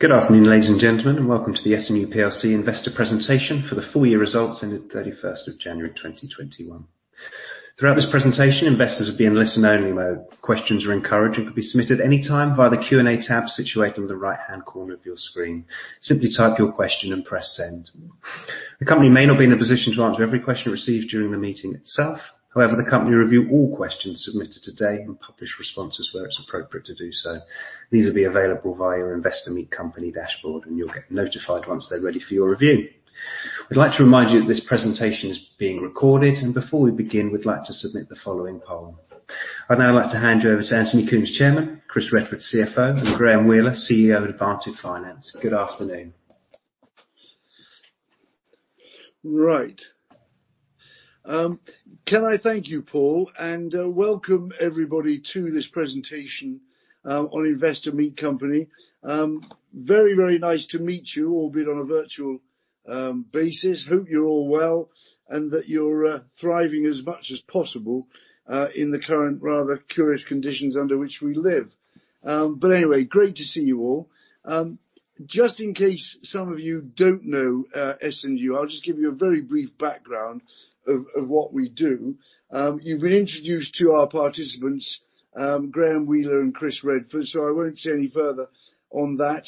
Good afternoon, ladies and gentlemen, and welcome to the S&U PLC Investor Presentation for the Full Year Results Ending 31st of January 2021. Throughout this presentation, investors will be in listen only mode. Questions are encouraged and can be submitted anytime via the Q&A tab situated in the right-hand corner of your screen. Simply type your question and press send. The company may not be in a position to answer every question received during the meeting itself. However, the company review all questions submitted today and publish responses where it's appropriate to do so. These will be available via our Investor Meet Company dashboard, and you'll get notified once they're ready for your review. We'd like to remind you that this presentation is being recorded, and before we begin, we'd like to submit the following poll. I'd now like to hand you over to Anthony Coombs, Chairman, Chris Redford, CFO, and Graham Wheeler, CEO of Advantage Finance. Good afternoon. Can I thank you, Paul, welcome everybody to this presentation on Investor Meet Company. Very, very nice to meet you all, be it on a virtual basis. Hope you're all well and that you're thriving as much as possible in the current rather curious conditions under which we live. Anyway, great to see you all. Just in case some of you don't know S&U, I'll just give you a very brief background of what we do. You've been introduced to our participants, Graham Wheeler and Chris Redford, I won't say any further on that.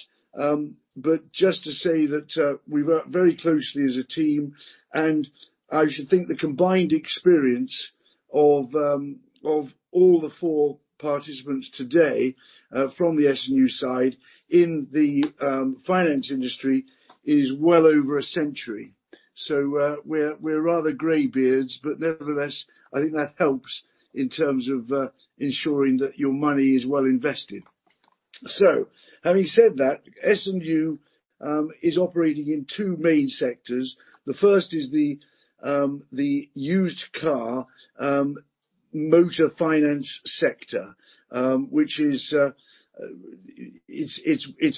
Just to say that we work very closely as a team, I should think the combined experience of all the four participants today from the S&U side in the finance industry is well over a century. We're rather gray beards, but nevertheless, I think that helps in terms of ensuring that your money is well invested. Having said that, S&U is operating in two main sectors. The first is the used car motor finance sector, which is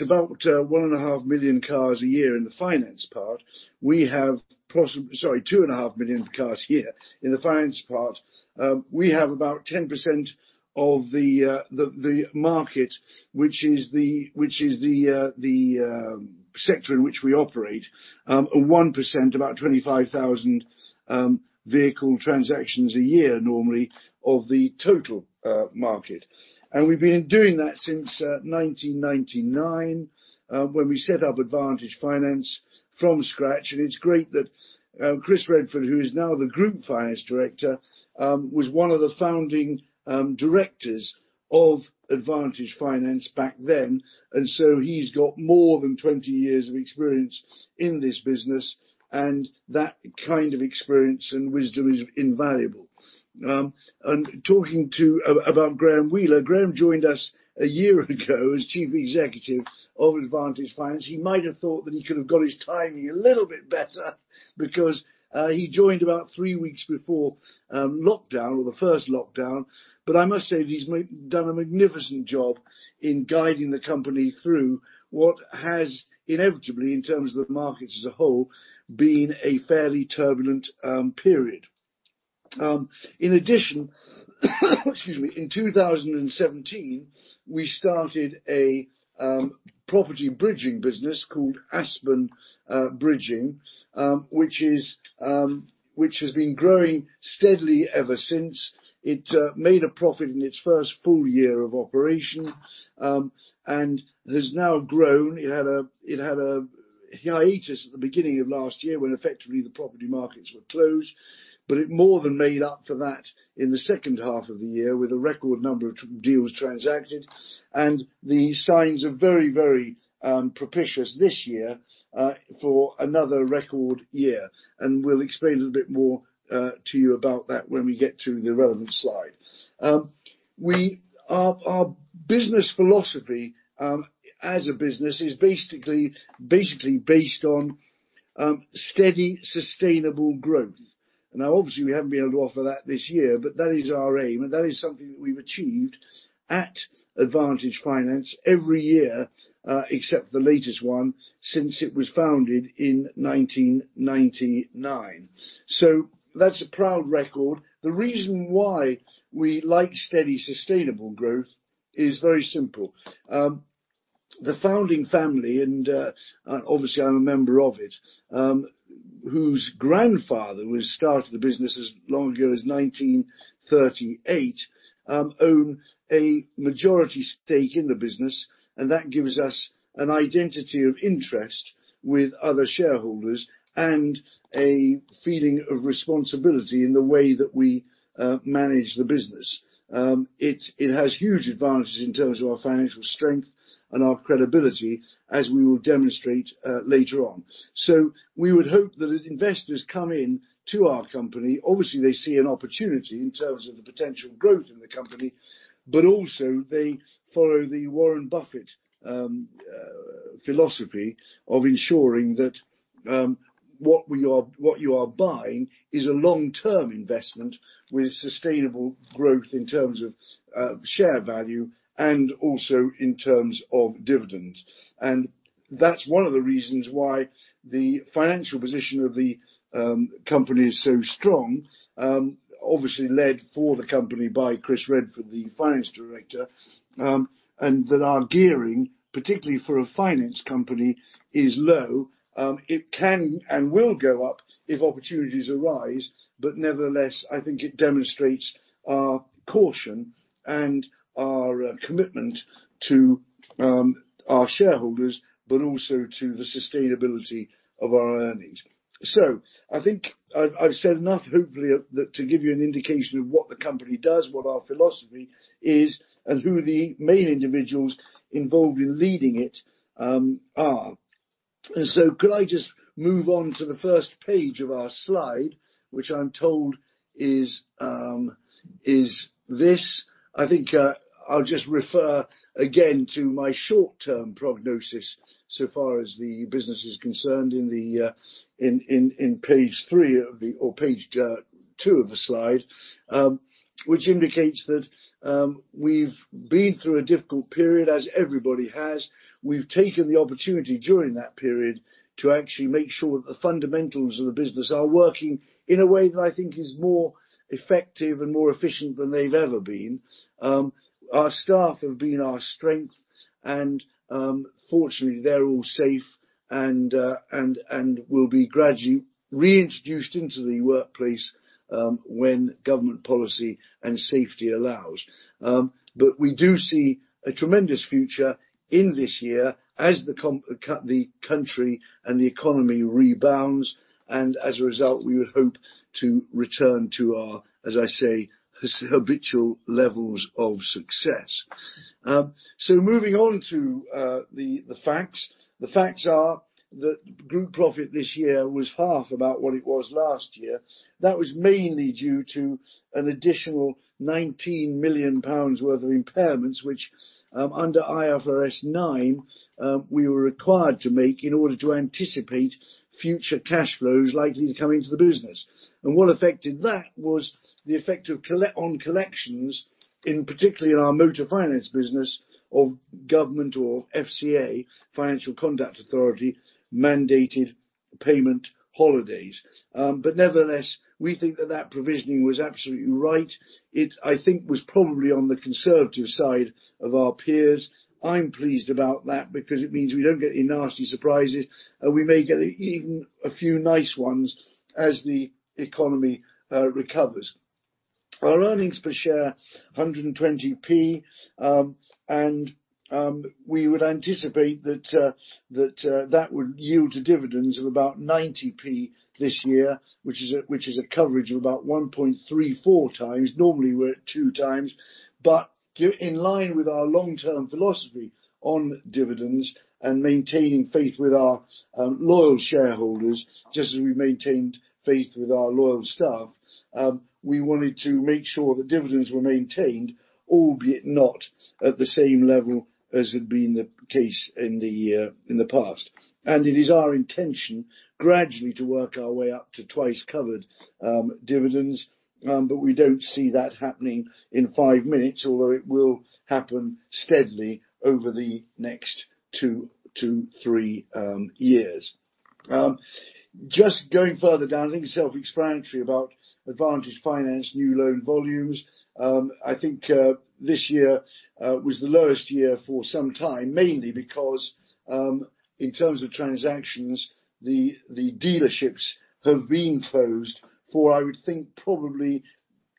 about 1.5 million cars a year in the finance part. We have approximately 2.5 million cars a year in the finance part. We have about 10% of the market, which is the sector in which we operate, 1%, about 25,000 vehicle transactions a year, normally, of the total market. We've been doing that since 1999, when we set up Advantage Finance from scratch. It's great that Chris Redford, who is now the group finance director, was one of the founding directors of Advantage Finance back then. He's got more than 20 years of experience in this business, and that kind of experience and wisdom is invaluable. Talking about Graham Wheeler, Graham joined us one year ago as Chief Executive of Advantage Finance. He might have thought that he could have got his timing a little bit better because he joined about three weeks before lockdown or the first lockdown. I must say that he's done a magnificent job in guiding the company through what has inevitably, in terms of the markets as a whole, been a fairly turbulent period. In addition, in 2017, we started a property bridging business called Aspen Bridging, which has been growing steadily ever since. It made a profit in its first full year of operation, and has now grown. It had a hiatus at the beginning of last year when effectively the property markets were closed, but it more than made up for that in the H2 of the year with a record number of deals transacted. The signs are very, very propitious this year for another record year. We'll explain a little bit more to you about that when we get to the relevant slide. Our business philosophy as a business is basically based on steady, sustainable growth. Now, obviously, we haven't been able to offer that this year, but that is our aim, and that is something that we've achieved at Advantage Finance every year, except the latest one, since it was founded in 1999. That's a proud record. The reason why we like steady, sustainable growth is very simple. The founding family, and obviously I'm a member of it, whose grandfather, who started the business as long ago as 1938, own a majority stake in the business, and that gives us an identity of interest with other shareholders and a feeling of responsibility in the way that we manage the business. It has huge advances in terms of our financial strength and our credibility, as we will demonstrate later on. We would hope that as investors come in to our company, obviously they see an opportunity in terms of the potential growth in the company, but also they follow the Warren Buffett philosophy of ensuring that what you are buying is a long-term investment with sustainable growth in terms of share value and also in terms of dividends. That's one of the reasons why the financial position of the company is so strong. Obviously led for the company by Chris Redford, the Finance Director, that our gearing, particularly for a finance company, is low. It can and will go up if opportunities arise, nevertheless, I think it demonstrates our caution and our commitment to our shareholders, but also to the sustainability of our earnings. I think I've said enough, hopefully, to give you an indication of what the company does, what our philosophy is, and who the main individuals involved in leading it are. Could I just move on to the first page of our slide, which I'm told is this? I think I'll just refer again to my short-term prognosis, so far as the business is concerned in page two of the slide, which indicates that we've been through a difficult period, as everybody has. We’ve taken the opportunity during that period to actually make sure that the fundamentals of the business are working in a way that I think is more effective and more efficient than they’ve ever been. Our staff have been our strength and, fortunately, they’re all safe and will be gradually reintroduced into the workplace, when government policy and safety allows. We do see a tremendous future in this year as the country and the economy rebounds, and as a result, we would hope to return to our, as I say, habitual levels of success. Moving on to the facts. The facts are that group profit this year was half about what it was last year. That was mainly due to an additional 19 million pounds worth of impairments, which, under IFRS 9, we were required to make in order to anticipate future cash flows likely to come into the business. What affected that was the effect on collections in, particularly in our motor finance business of government or FCA, Financial Conduct Authority, mandated payment holidays. Nevertheless, we think that that provisioning was absolutely right. I think, was probably on the conservative side of our peers. I'm pleased about that because it means we don't get any nasty surprises, and we may get even a few nice ones as the economy recovers. Our earnings per share, 1.20, and we would anticipate that that would yield a dividends of about 0.90 this year, which is a coverage of about 1.34x. Normally, we're at 2x. In line with our long-term philosophy on dividends and maintaining faith with our loyal shareholders, just as we maintained faith with our loyal staff, we wanted to make sure that dividends were maintained, albeit not at the same level as had been the case in the past. It is our intention gradually to work our way up to twice-covered dividends. We don't see that happening in five minutes, although it will happen steadily over the next two to three years. Just going further down, I think it's self-explanatory about Advantage Finance new loan volumes. I think this year was the lowest year for some time, mainly because, in terms of transactions, the dealerships have been closed for, I would think, probably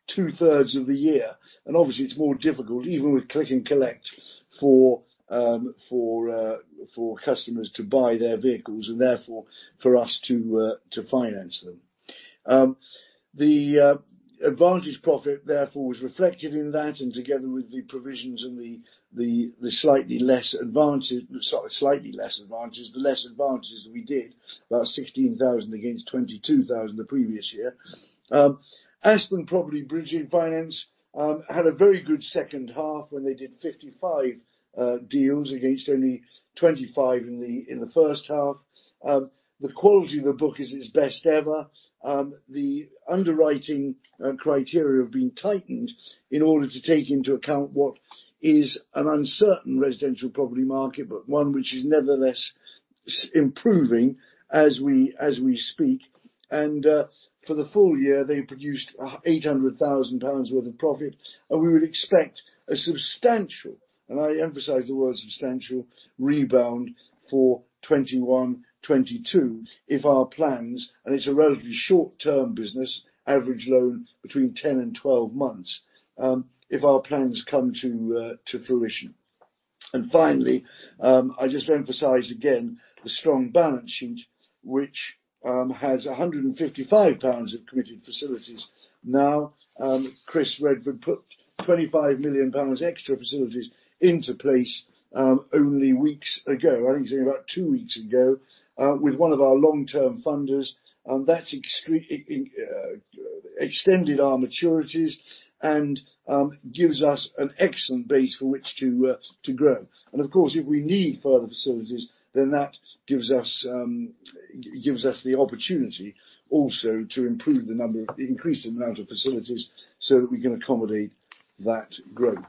two-thirds of the year. Obviously, it's more difficult, even with click and collect, for customers to buy their vehicles and therefore for us to finance them. The Advantage profit, therefore, was reflected in that, and together with the provisions and the less advantages that we did, about 16,000 against 22,000 the previous year. Aspen Bridging had a very good H2 when they did 55 deals against only 25 in the H1. The quality of the book is its best ever. The underwriting criteria have been tightened in order to take into account what is an uncertain residential property market, but one which is nevertheless improving as we speak. For the full year, they produced 800,000 pounds worth of profit, and we would expect a substantial, and I emphasize the word substantial, rebound for 2021, 2022 if our plans, and it's a relatively short-term business, average loan between 10 and 12 months, if our plans come to fruition. Finally, I just emphasize again the strong balance sheet, which has 155 million pounds of committed facilities. Chris Redford put 25 million pounds extra facilities into place, only weeks ago, I think it's about two weeks ago, with one of our long-term funders. That's extended our maturities and gives us an excellent base for which to grow. Of course, if we need further facilities, that gives us the opportunity also to increase the amount of facilities so that we can accommodate that growth.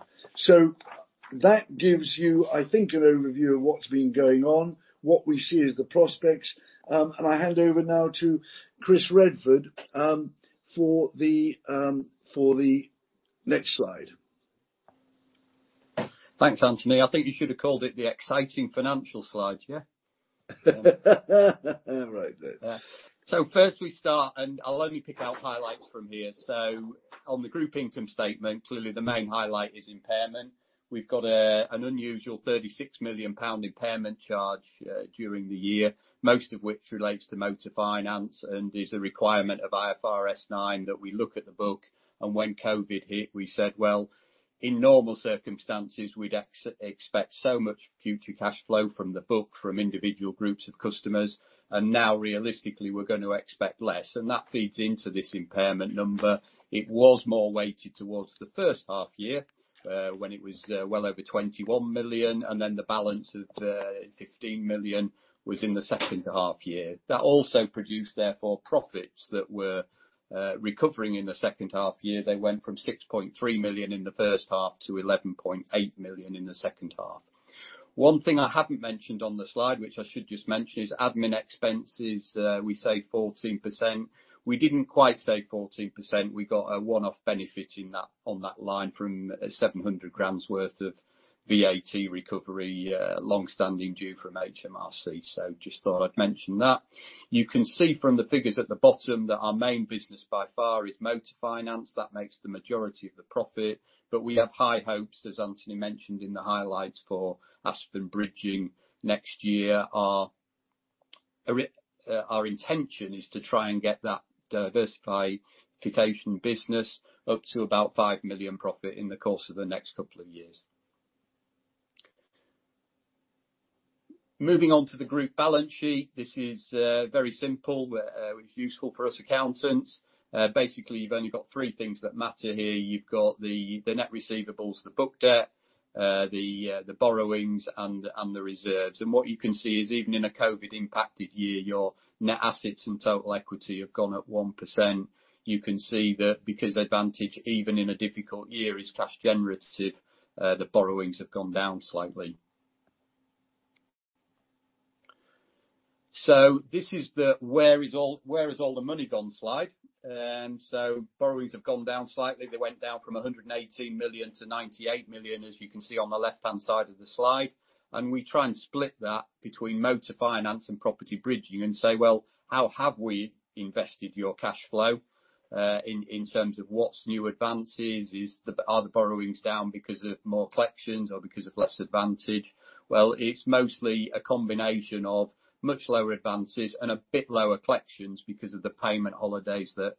That gives you, I think, an overview of what's been going on, what we see as the prospects. I hand over now to Chris Redford for the next slide. Thanks, Anthony. I think you should have called it the exciting financial slide. Yeah? Right then. First we start, and I'll only pick out highlights from here. On the group income statement, clearly the main highlight is impairment. We've got an unusual 36 million pound impairment charge during the year, most of which relates to motor finance and is a requirement of IFRS 9 that we look at the book, and when COVID hit, we said, well, in normal circumstances, we'd expect so much future cash flow from the book, from individual groups of customers, and now realistically, we're going to expect less. That feeds into this impairment number. It was more weighted towards the H1 year, when it was well over 21 million, and then the balance of 15 million was in the H2 year. That also produced, therefore, profits that were recovering in the H2 year. They went from 6.3 million in the H1 to 11.8 million in the H2. One thing I haven't mentioned on the slide, which I should just mention, is admin expenses, we saved 14%. We didn't quite save 14%, we got a one-off benefit on that line from 700 grand worth of VAT recovery, longstanding due from HMRC. Just thought I'd mention that. You can see from the figures at the bottom that our main business by far is motor finance. That makes the majority of the profit, we have high hopes, as Anthony mentioned in the highlights, for Aspen Bridging next year. Our intention is to try and get that diversification business up to about 5 million profit in the course of the next couple of years. Moving on to the group balance sheet. This is very simple, which is useful for us accountants. Basically, you've only got three things that matter here. You've got the net receivables, the book debt, the borrowings, and the reserves. What you can see is even in a COVID-impacted year, your net assets and total equity have gone up 1%. You can see that because Advantage, even in a difficult year, is cash generative, the borrowings have gone down slightly. This is the where has all the money gone slide. Borrowings have gone down slightly. They went down from 118 million to 98 million, as you can see on the left-hand side of the slide. We try and split that between motor finance and property bridging and say, well, how have we invested your cash flow, in terms of what's new advances? Are the borrowings down because of more collections or because of less Advantage? It's mostly a combination of much lower advances and a bit lower collections because of the payment holidays that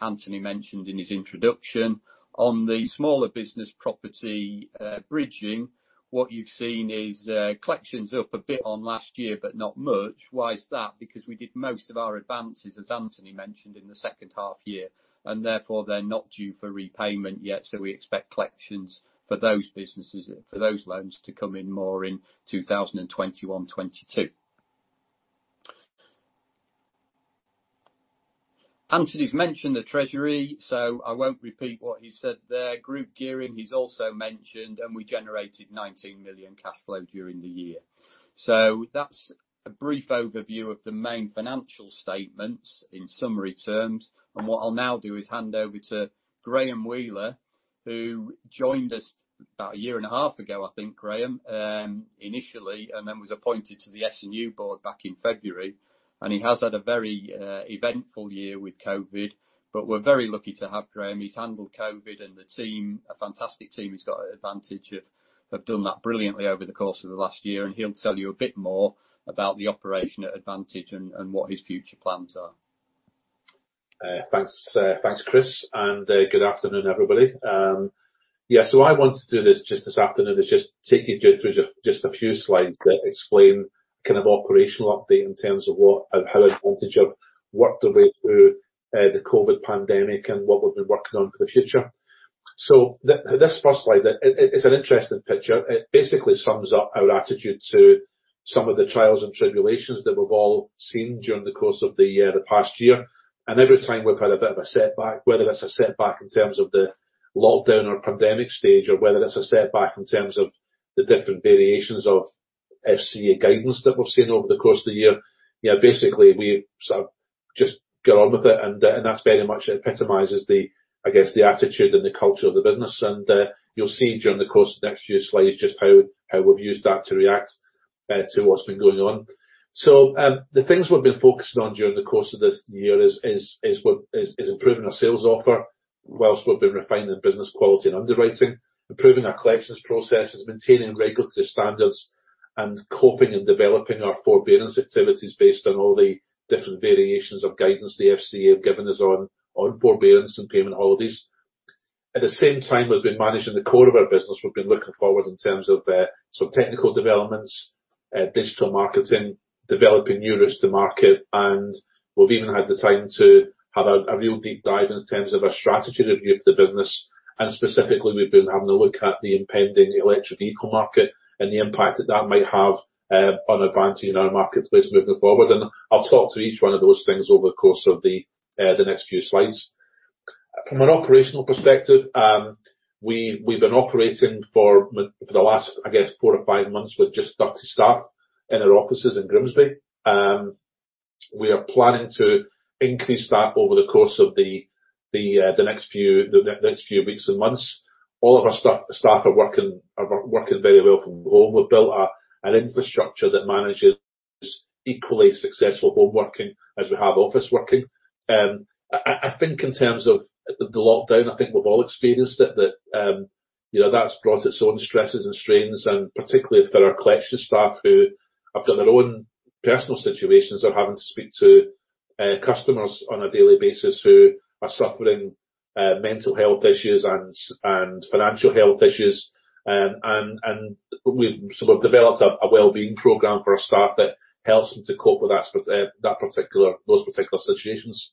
Anthony mentioned in his introduction. On the smaller business property bridging, what you've seen is collections up a bit on last year, but not much. Why is that? Because we did most of our advances, as Anthony mentioned, in the H2 year, and therefore they're not due for repayment yet. We expect collections for those businesses, for those loans to come in more in 2021, 2022. Anthony mentioned HM Treasury, so I won't repeat what he said there. Group gearing, he's also mentioned, and we generated 19 million cash flow during the year. That's a brief overview of the main financial statements in summary terms. What I'll now do is hand over to Graham Wheeler, who joined us about a year and a half ago, I think, Graham, initially, and then was appointed to the S&U board back in February. We're very lucky to have Graham. He's handled COVID and the team, a fantastic team he's got at Advantage, have done that brilliantly over the course of the last year, and he'll tell you a bit more about the operation at Advantage and what his future plans are. Thanks, Chris, and good afternoon, everybody. What I wanted to do this afternoon is just take you through just a few slides that explain kind of operational update in terms of how Advantage have worked our way through the COVID pandemic and what we've been working on for the future. This first slide, it's an interesting picture. It basically sums up our attitude to some of the trials and tribulations that we've all seen during the course of the past year. Every time we've had a bit of a setback, whether it's a setback in terms of the lockdown or pandemic stage, or whether it's a setback in terms of the different variations of FCA guidance that we've seen over the course of the year. Basically, we just got on with it, and that very much epitomizes, I guess, the attitude and the culture of the business. You'll see during the course of the next few slides just how we've used that to react to what's been going on. The things we've been focusing on during the course of this year is improving our sales offer whilst we've been refining business quality and underwriting, improving our collections processes, maintaining regulatory standards, and coping and developing our forbearance activities based on all the different variations of guidance the FCA have given us on forbearance and payment holidays. At the same time we've been managing the core of our business, we've been looking forward in terms of some technical developments, digital marketing, developing new routes to market, and we've even had the time to have a real deep dive in terms of our strategy review of the business, and specifically, we've been having a look at the impending electric vehicle market and the impact that that might have on Advantage and our marketplace moving forward. I'll talk to each one of those things over the course of the next few slides. From an operational perspective, we've been operating for the last, I guess, four or five months with just 30 staff in our offices in Grimsby. We are planning to increase that over the course of the next few weeks and months. All of our staff are working very well from home. We've built an infrastructure that manages equally successful home working as we have office working. I think in terms of the lockdown, I think we've all experienced it, that's brought its own stresses and strains, particularly for our collections staff who have got their own personal situations of having to speak to customers on a daily basis who are suffering mental health issues and financial health issues. We've sort of developed a wellbeing program for our staff that helps them to cope with those particular situations.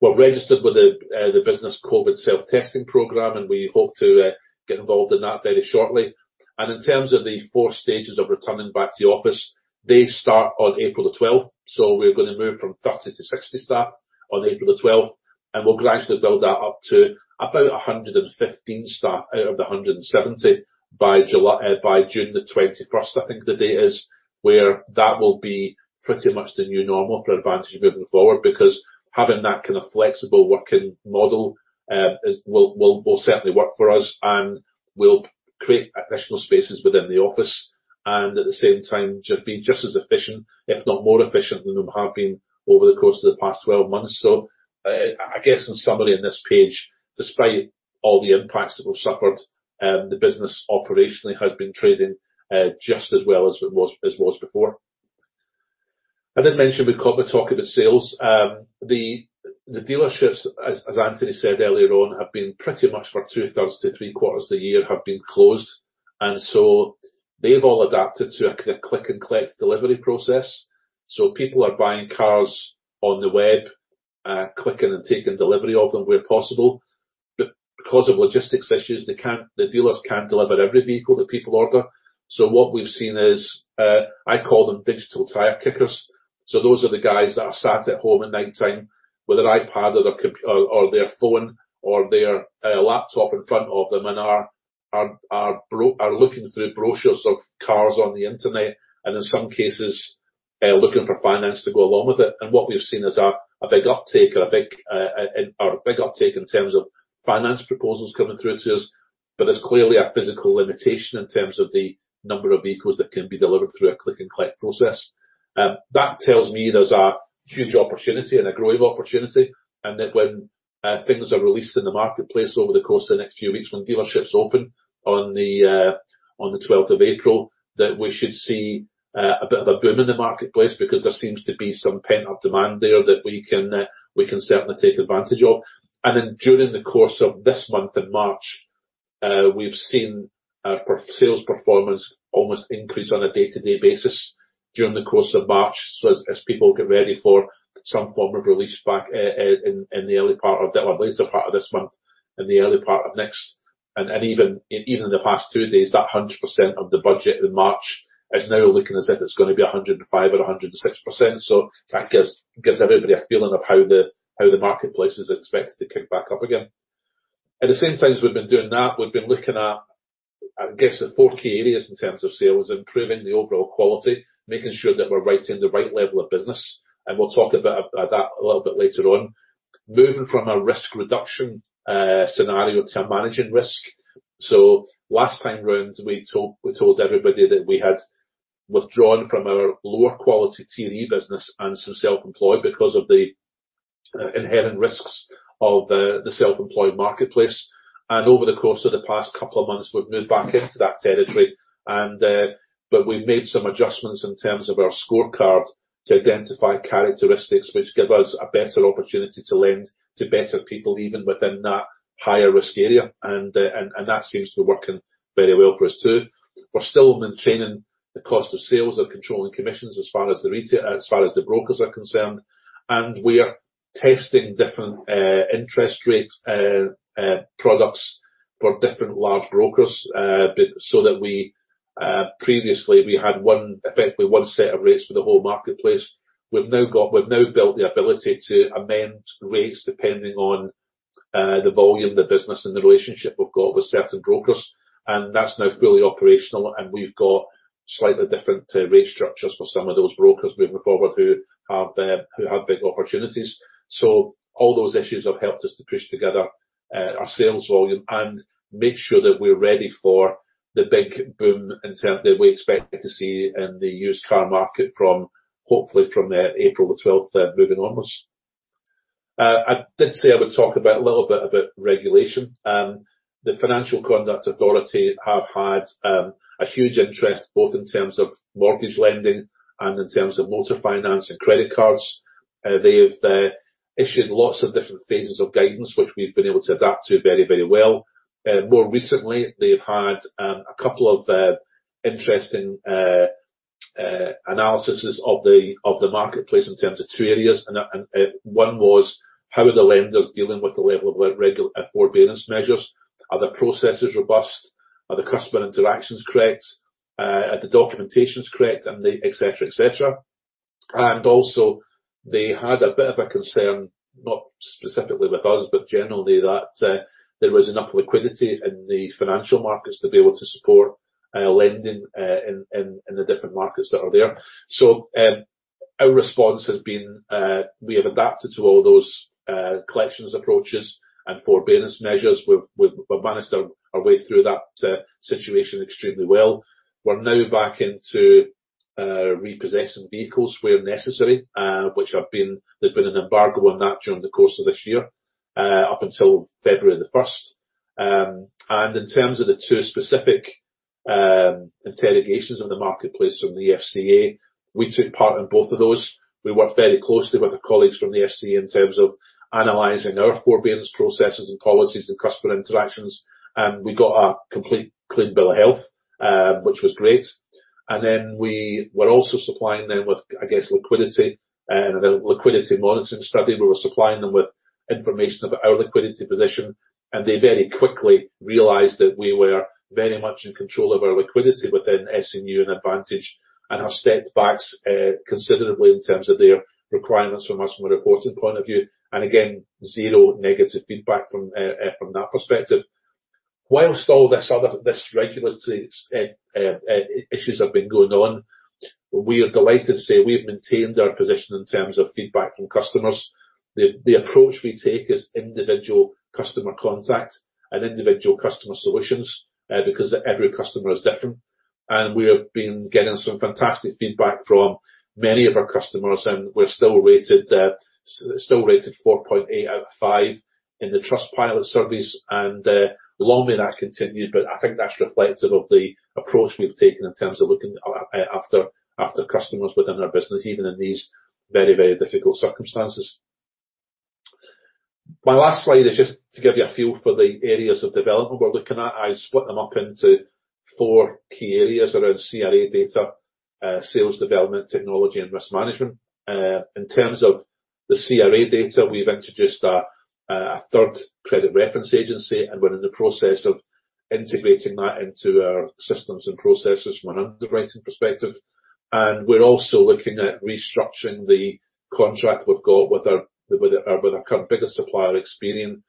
We're registered with the business COVID self-testing program, and we hope to get involved in that very shortly. In terms of the four stages of returning back to the office, they start on April 12th. We're going to move from 30 to 60 staff on April 12th, and we'll gradually build that up to about 115 staff out of the 170 by June 21st, I think the date is, where that will be pretty much the new normal for Advantage moving forward. Because having that kind of flexible working model will certainly work for us, and will create additional spaces within the office, and at the same time, just being just as efficient, if not more efficient than we have been over the course of the past 12 months. I guess in summary on this page, despite all the impacts that we've suffered, the business operationally has been trading just as well as it was before. I did mention we'd cover talk about sales. The dealerships, as Anthony said earlier on, have been pretty much for two-thirds to three-quarters of the year have been closed. They've all adapted to a kind of click and collect delivery process. People are buying cars on the web, clicking and taking delivery of them where possible. Because of logistics issues, the dealers can't deliver every vehicle that people order. What we've seen is, I call them digital tire kickers. Those are the guys that are sat at home at nighttime with an iPad or their phone or their laptop in front of them and are looking through brochures of cars on the internet, and in some cases, looking for finance to go along with it. What we've seen is a big uptake in terms of finance proposals coming through to us. There's clearly a physical limitation in terms of the number of vehicles that can be delivered through a click and collect process. That tells me there's a huge opportunity and a growing opportunity, and that when things are released in the marketplace over the course of the next few weeks, when dealerships open on the 12th April, that we should see a bit of a boom in the marketplace because there seems to be some pent-up demand there that we can certainly take advantage of. During the course of this month in March, we've seen our sales performance almost increase on a day-to-day basis during the course of March. As people get ready for some form of release back in the later part of this month, in the early part of next, and even in the past two days, that 100% of the budget in March is now looking as if it's going to be 105% or 106%. That gives everybody a feeling of how the marketplace is expected to kick back up again. At the same time as we've been doing that, we've been looking at, I guess, the four key areas in terms of sales, improving the overall quality, making sure that we're writing the right level of business, and we'll talk about that a little bit later on. Moving from a risk reduction scenario to managing risk. Last time around, we told everybody that we had withdrawn from our lower quality TVE business and some self-employed because of the inherent risks of the self-employed marketplace. Over the course of the past couple of months, we've moved back into that territory. We've made some adjustments in terms of our scorecard to identify characteristics which give us a better opportunity to lend to better people, even within that higher risk area, and that seems to be working very well for us, too. We're still maintaining the cost of sales and controlling commissions as far as the brokers are concerned. We are testing different interest rates products for different large brokers. Previously, we had effectively one set of rates for the whole marketplace. We've now built the ability to amend rates depending on the volume, the business and the relationship we've got with certain brokers. That's now fully operational, and we've got slightly different rate structures for some of those brokers moving forward who have big opportunities. All those issues have helped us to push together our sales volume and make sure that we're ready for the big boom that we expect to see in the used car market hopefully from April 12th moving onwards. I did say I would talk about a little bit about regulation. The Financial Conduct Authority have had a huge interest, both in terms of mortgage lending and in terms of motor finance and credit cards. They have issued lots of different phases of guidance, which we've been able to adapt to very well. More recently, they've had a couple of interesting analyses of the marketplace in terms of two areas. One was how are the lenders dealing with the level of forbearance measures? Are their processes robust? Are the customer interactions correct? Are the documentations correct, etcetera. Also, they had a bit of a concern, not specifically with us, but generally, that there was enough liquidity in the financial markets to be able to support lending in the different markets that are there. Our response has been, we have adapted to all those collections approaches and forbearance measures. We've managed our way through that situation extremely well. We're now back into repossessing vehicles where necessary, which there's been an embargo on that during the course of this year up until February 1st. In terms of the two specific interrogations in the marketplace from the FCA, we took part in both of those. We worked very closely with our colleagues from the FCA in terms of analyzing our forbearance processes and policies and customer interactions, and we got a complete clean bill of health, which was great. We were also supplying them with, I guess, liquidity and a liquidity monitoring study, where we're supplying them with information about our liquidity position. They very quickly realized that we were very much in control of our liquidity within S&U and Advantage, and have stepped back considerably in terms of their requirements from us from a reporting point of view. Again, zero negative feedback from that perspective. While all this regulatory issues have been going on, we are delighted to say we have maintained our position in terms of feedback from customers. The approach we take is individual customer contact and individual customer solutions, because every customer is different. We have been getting some fantastic feedback from many of our customers, and we're still rated 4.8 out of five in the Trustpilot surveys, and long may that continue. I think that's reflective of the approach we've taken in terms of looking after customers within our business, even in these very, very difficult circumstances. My last slide is just to give you a feel for the areas of development we're looking at. I split them up into four key areas around CRA data, sales development, technology, and risk management. In terms of the CRA data, we've introduced a third credit reference agency, and we're in the process of integrating that into our systems and processes from an underwriting perspective. We're also looking at restructuring the contract we've got with our current biggest supplier, Experian,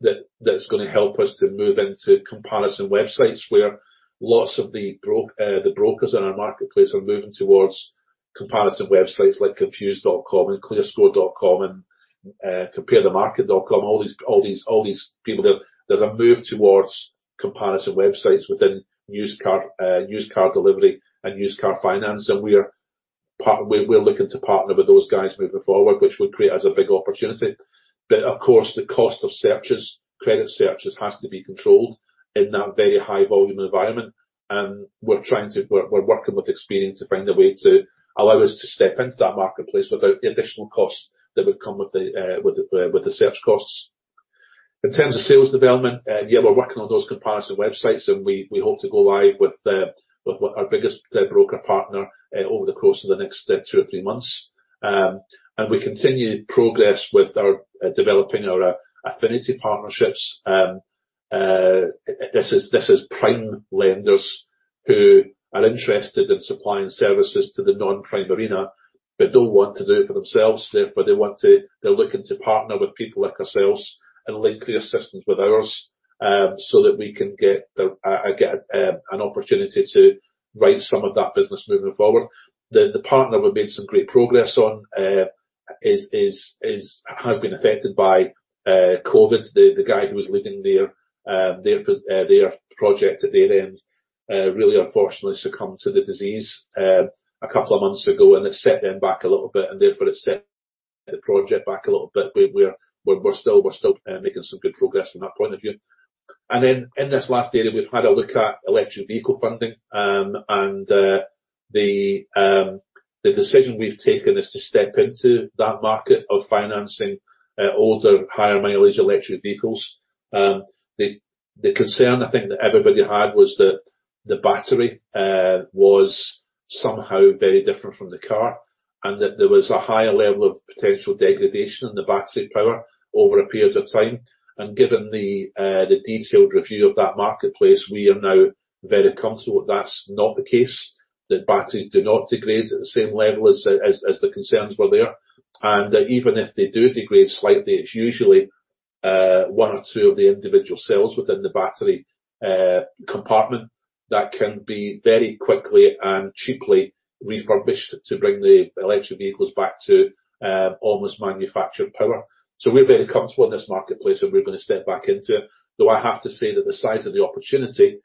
that's going to help us to move into comparison websites where lots of the brokers in our marketplace are moving towards comparison websites like confused.com and clearscore.com and comparethemarket.com, all these people. There's a move towards comparison websites within used car delivery and used car finance, and we're looking to partner with those guys moving forward, which would create us a big opportunity. Of course, the cost of searches, credit searches, has to be controlled in that very high volume environment, and we're working with Experian to find a way to allow us to step into that marketplace without the additional cost that would come with the search costs. In terms of sales development, yeah, we're working on those comparison websites. We hope to go live with our biggest broker partner over the course of the next two or three months. We continue progress with developing our affinity partnerships. This is prime lenders who are interested in supplying services to the non-prime arena but don't want to do it for themselves. Therefore, they're looking to partner with people like ourselves and link their systems with ours, so that we can get an opportunity to write some of that business moving forward. The partner we've made some great progress on has been affected by COVID. The guy who was leading their project at their end really unfortunately succumbed to the disease a couple of months ago, and it set them back a little bit, and therefore it set the project back a little bit. We're still making some good progress from that point of view. Then in this last area, we've had a look at electric vehicle funding, and the decision we've taken is to step into that market of financing older, higher mileage electric vehicles. The concern I think that everybody had was that the battery was somehow very different from the car, and that there was a higher level of potential degradation in the battery power over a period of time. Given the detailed review of that marketplace, we are now very comfortable that's not the case, that batteries do not degrade at the same level as the concerns were there. Even if they do degrade slightly, it's usually one or two of the individual cells within the battery compartment that can be very quickly and cheaply refurbished to bring the electric vehicles back to almost manufactured power. We're very comfortable in this marketplace, and we're going to step back into it, though I have to say that the size of the opportunity,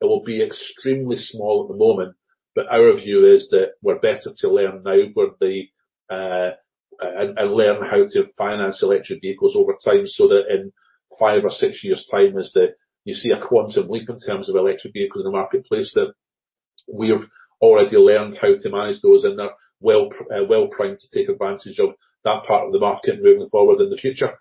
it will be extremely small at the moment. Our view is that we're better to learn now and learn how to finance electric vehicles over time, so that in five or six years' time, as you see a quantum leap in terms of electric vehicles in the marketplace, that we have already learned how to manage those, and are well-primed to take advantage of that part of the market moving forward in the future.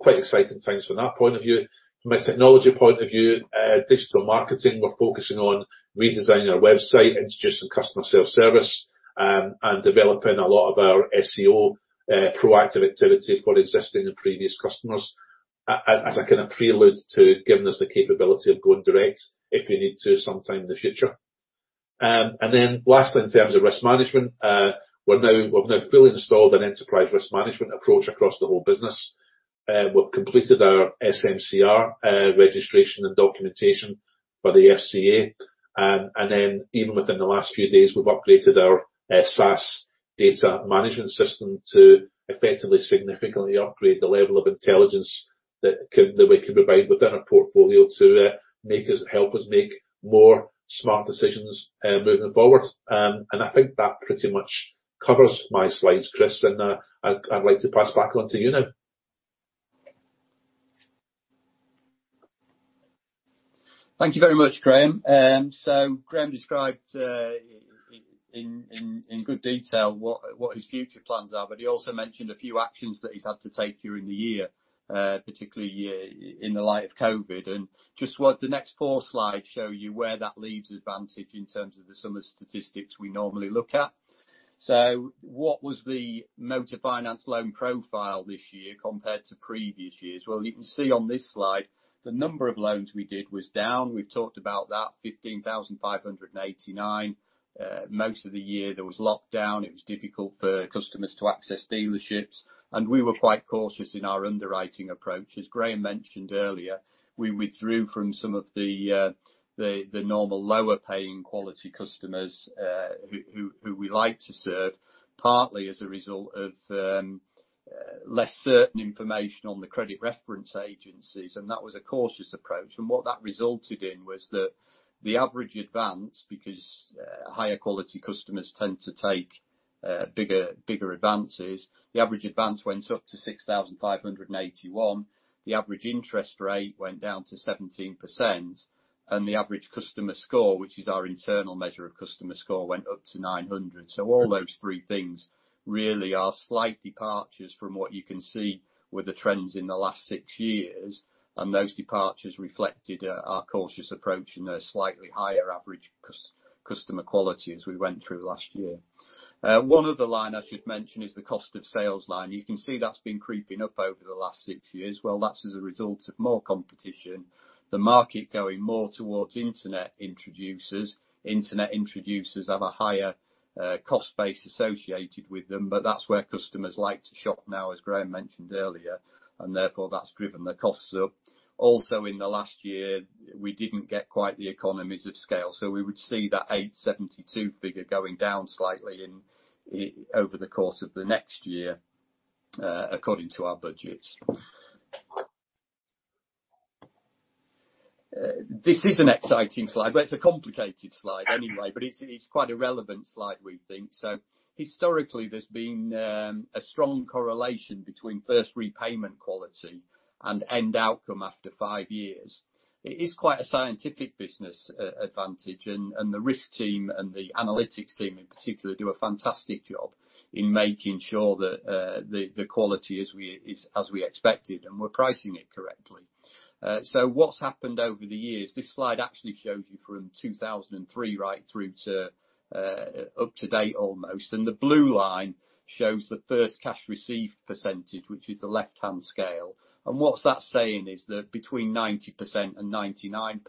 Quite exciting times from that point of view. From a technology point of view, digital marketing, we're focusing on redesigning our website, introducing customer self-service, and developing a lot of our SEO proactive activity for existing and previous customers as a kind of prelude to giving us the capability of going direct if we need to sometime in the future. Lastly, in terms of risk management, we've now fully installed an enterprise risk management approach across the whole business. We've completed our SMCR registration and documentation for the FCA. Even within the last few days, we've upgraded our SAS data management system to effectively significantly upgrade the level of intelligence that we can provide within our portfolio to help us make more smart decisions moving forward. I think that pretty much covers my slides, Chris, and I'd like to pass back on to you now. Thank you very much, Graham. Graham described in good detail what his future plans are, but he also mentioned a few actions that he's had to take during the year, particularly in the light of COVID. Just what the next four slides show you where that leaves Advantage in terms of the summer statistics we normally look at. What was the motor finance loan profile this year compared to previous years? You can see on this slide the number of loans we did was down. We've talked about that, 15,589. Most of the year, there was lockdown. It was difficult for customers to access dealerships, and we were quite cautious in our underwriting approach. As Graham mentioned earlier, we withdrew from some of the normal lower paying quality customers, who we like to serve, partly as a result of less certain information on the credit reference agencies. That was a cautious approach. What that resulted in was that the average advance, because higher quality customers tend to take bigger advances, the average advance went up to 6,581, the average interest rate went down to 17%, and the average customer score, which is our internal measure of customer score, went up to 900. All those three things really are slight departures from what you can see were the trends in the last six years, and those departures reflected our cautious approach and a slightly higher average customer quality as we went through last year. One other line I should mention is the cost of sales line. You can see that's been creeping up over the last six years. That's as a result of more competition, the market going more towards internet introducers. Internet introducers have a higher cost base associated with them, that's where customers like to shop now, as Graham mentioned earlier, and therefore that's driven the costs up. Also in the last year, we didn't get quite the economies of scale, we would see that 872 figure going down slightly over the course of the next year, according to our budgets. This is an exciting slide, it's a complicated slide anyway, it's quite a relevant slide, we think. Historically, there's been a strong correlation between first repayment quality and end outcome after five years. It is quite a scientific business, Advantage, and the risk team and the analytics team in particular, do a fantastic job in making sure that the quality is as we expected, and we're pricing it correctly. What's happened over the years, this slide actually shows you from 2003 right through to up to date almost, and the blue line shows the first cash received percentage, which is the left-hand scale. What's that saying is that between 90% and 99%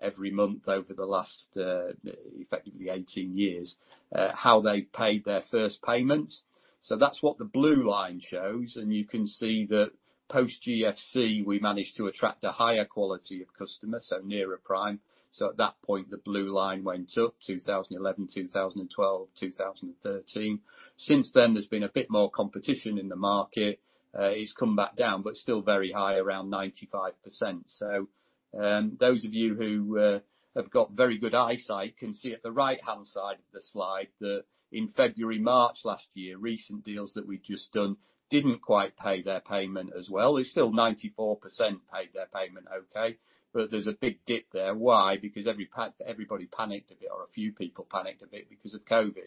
every month over the last effectively 18 years, how they've paid their first payment. That's what the blue line shows, and you can see that post GFC, we managed to attract a higher quality of customer, nearer prime. At that point, the blue line went up 2011, 2012, 2013. Since then, there's been a bit more competition in the market. It's come back down, but still very high, around 95%. Those of you who have got very good eyesight can see at the right-hand side of the slide that in February, March last year, recent deals that we'd just done didn't quite pay their payment as well. There's still 94% paid their payment okay, but there's a big dip there. Why? Because everybody panicked a bit, or a few people panicked a bit because of COVID.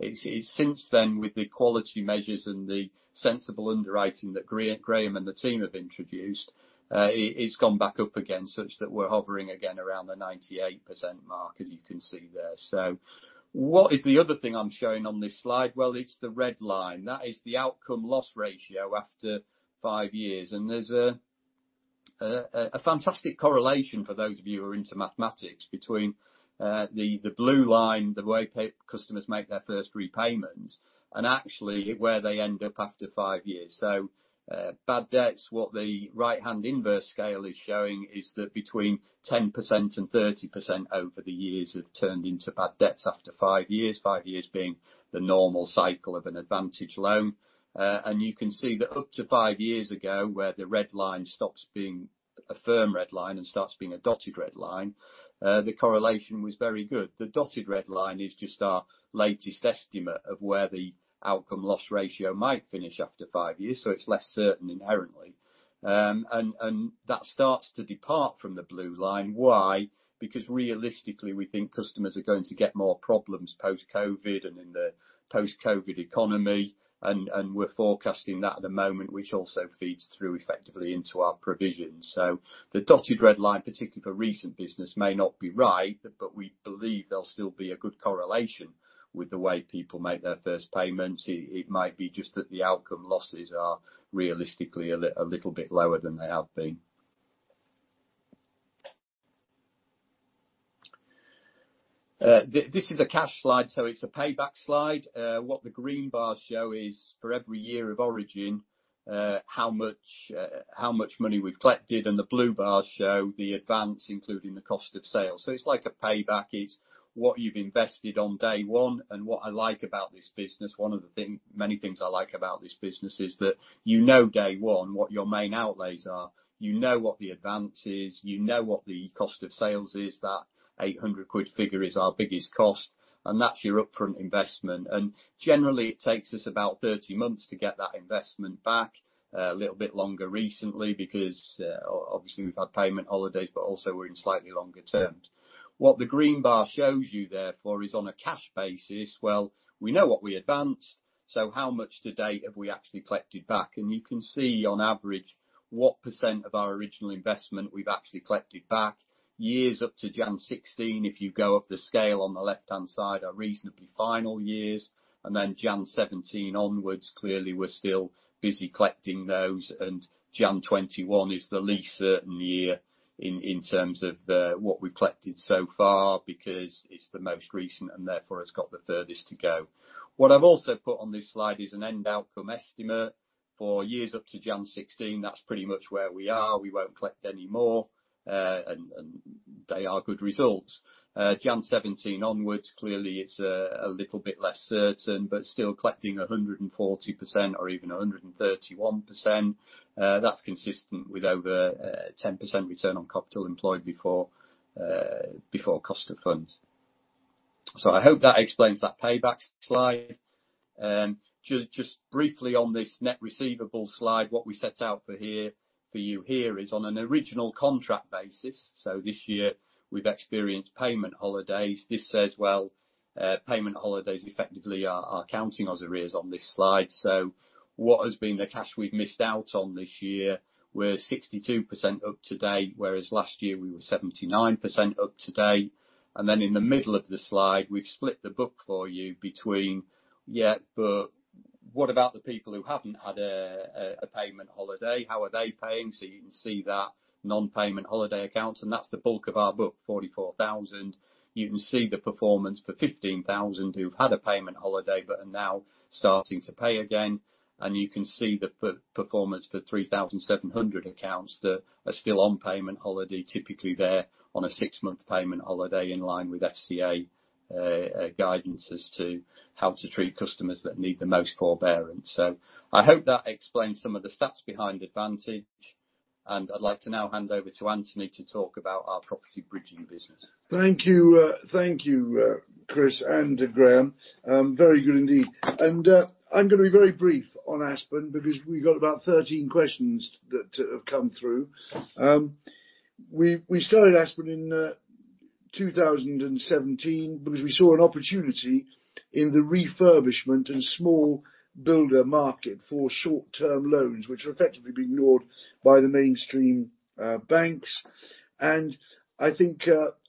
It's since then with the quality measures and the sensible underwriting that Graham and the team have introduced, it's gone back up again such that we're hovering again around the 98% mark, as you can see there. What is the other thing I'm showing on this slide? Well, it's the red line. That is the outcome loss ratio after five years. There's a fantastic correlation for those of you who are into mathematics between the blue line, the way customers make their first repayments, and actually where they end up after five years. Bad debts, what the right-hand inverse scale is showing is that between 10% and 30% over the years have turned into bad debts after five years, five years being the normal cycle of an Advantage loan. You can see that up to five years ago, where the red line stops being a firm red line and starts being a dotted red line, the correlation was very good. The dotted red line is just our latest estimate of where the outcome loss ratio might finish after five years, so it's less certain inherently. That starts to depart from the blue line. Why? Realistically, we think customers are going to get more problems post-COVID and in the post-COVID economy, and we're forecasting that at the moment, which also feeds through effectively into our provisions. The dotted red line, particularly for recent business, may not be right, but we believe there'll still be a good correlation with the way people make their first payments. It might be just that the outcome losses are realistically a little bit lower than they have been. This is a cash slide, so it's a payback slide. What the green bars show is for every year of origin, how much money we've collected, and the blue bars show the advance, including the cost of sales. It's like a payback. It's what you've invested on day one. One of the many things I like about this business is that you know day one what your main outlays are. You know what the advance is, you know what the cost of sales is. That 800 quid figure is our biggest cost, that's your upfront investment. Generally, it takes us about 30 months to get that investment back. A little bit longer recently because, obviously, we've had payment holidays, but also we're in slightly longer terms. What the green bar shows you, therefore, is on a cash basis, well, we know what we advanced, so how much to date have we actually collected back? You can see on average what percent of our original investment we've actually collected back. Years up to January 2016, if you go up the scale on the left-hand side, are reasonably final years. January 2017 onwards, clearly we're still busy collecting those, and January 2021 is the least certain year in terms of what we've collected so far because it's the most recent and therefore it's got the furthest to go. What I've also put on this slide is an end outcome estimate for years up to January 2016. That's pretty much where we are. We won't collect any more, and they are good results. January 2017 onwards, clearly it's a little bit less certain, but still collecting 140% or even 131%. That's consistent with over 10% return on capital employed before cost of funds. I hope that explains that payback slide. Just briefly on this net receivable slide, what we set out for you here is on an original contract basis. This year we've experienced payment holidays. This says while payment holidays effectively are counting as arrears on this slide. What has been the cash we've missed out on this year, we're 62% up to date, whereas last year we were 79% up to date. In the middle of the slide, we've split the book for you between, yeah, but what about the people who haven't had a payment holiday? How are they paying? You can see that non-payment holiday accounts, and that's the bulk of our book, 44,000. You can see the performance for 15,000 who've had a payment holiday but are now starting to pay again. You can see the performance for 3,700 accounts that are still on payment holiday, typically they're on a six-month payment holiday in line with FCA guidance as to how to treat customers that need the most forbearance. I hope that explains some of the stats behind Advantage, and I'd like to now hand over to Anthony to talk about our property bridging business. Thank you, Chris and Graham. Very good indeed. I'm going to be very brief on Aspen because we got about 13 questions that have come through. We started Aspen in 2017 because we saw an opportunity in the refurbishment and small builder market for short-term loans, which were effectively being ignored by the mainstream banks. I think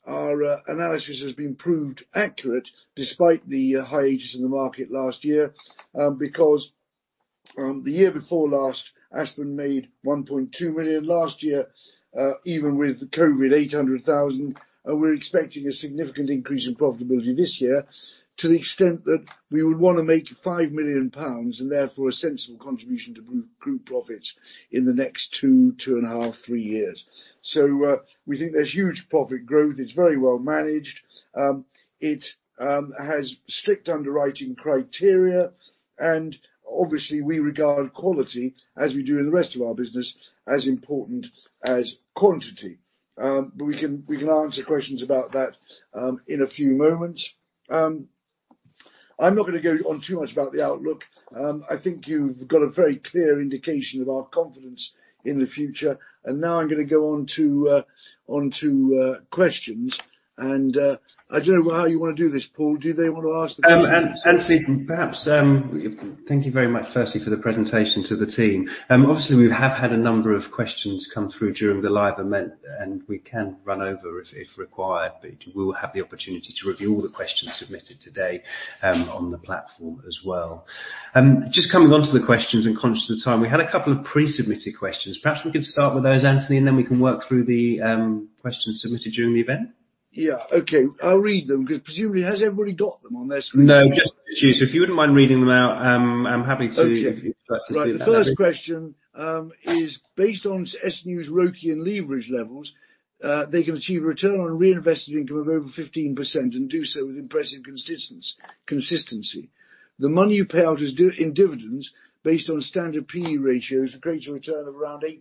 our analysis has been proved accurate despite the high interest in the market last year, because the year before last, Aspen made 1.2 million. Last year, even with the COVID, 800,000, and we're expecting a significant increase in profitability this year to the extent that we would want to make 5 million pounds and therefore a sensible contribution to group profits in the next two and a half, three years. We think there's huge profit growth. It's very well managed. It has strict underwriting criteria and obviously we regard quality as we do in the rest of our business as important as quantity. We can answer questions about that in a few moments. I'm not going to go on too much about the outlook. I think you've got a very clear indication of our confidence in the future. Now I'm going to go on to questions. I don't know how you want to do this, Paul. Do they want to ask the questions? Anthony, thank you very much firstly for the presentation to the team. Obviously, we have had a number of questions come through during the live event, and we can run over if required, but we will have the opportunity to review all the questions submitted today on the platform as well. Just coming on to the questions and conscious of time, we had a couple of pre-submitted questions. Perhaps we could start with those, Anthony, and then we can work through the questions submitted during the event. Yeah. Okay. I'll read them because presumably Has everybody got them on their screen? No, just me. If you wouldn't mind reading them out. Right. The first question is, based on S&U's ROCE and leverage levels, they can achieve a return on reinvested income of over 15% and do so with impressive consistency. The money you pay out in dividends based on standard PE ratio is a greater return of around 8%.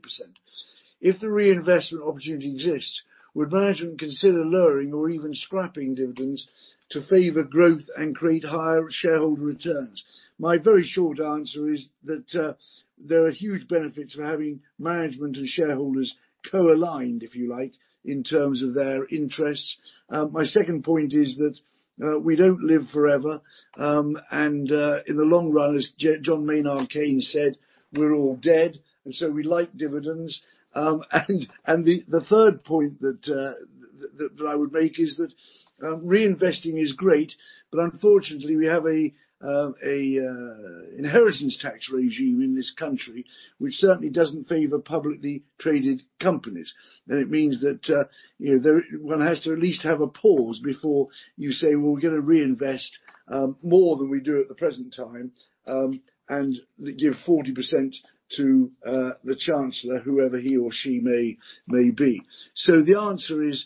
If the reinvestment opportunity exists, would management consider lowering or even scrapping dividends to favor growth and create higher shareholder returns? My very short answer is that there are huge benefits for having management and shareholders co-aligned, if you like, in terms of their interests. My second point is that we don't live forever, and in the long run, as John Maynard Keynes said, "We're all dead." We like dividends. The third point that I would make is that reinvesting is great, but unfortunately, we have an inheritance tax regime in this country which certainly doesn't favor publicly traded companies. It means that one has to at least have a pause before you say, "We're going to reinvest more than we do at the present time, and give 40% to the chancellor, whoever he or she may be." The answer is,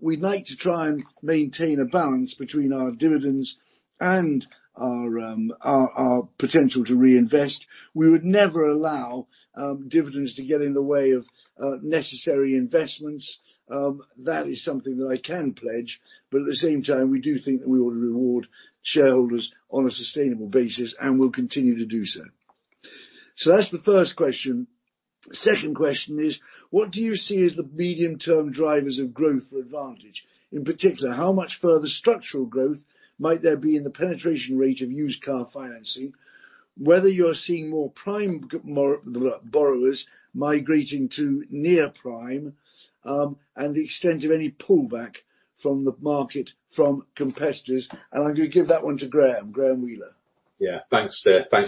we'd like to try and maintain a balance between our dividends and our potential to reinvest. We would never allow dividends to get in the way of necessary investments. That is something that I can pledge. At the same time, we do think that we ought to reward shareholders on a sustainable basis, and will continue to do so. That's the first question. Second question is, what do you see as the medium-term drivers of growth for Advantage? In particular, how much further structural growth might there be in the penetration rate of used car financing, whether you're seeing more prime borrowers migrating to near prime, and the extent of any pullback from the market from competitors. I'm going to give that one to Graham Wheeler. Yeah. Thanks,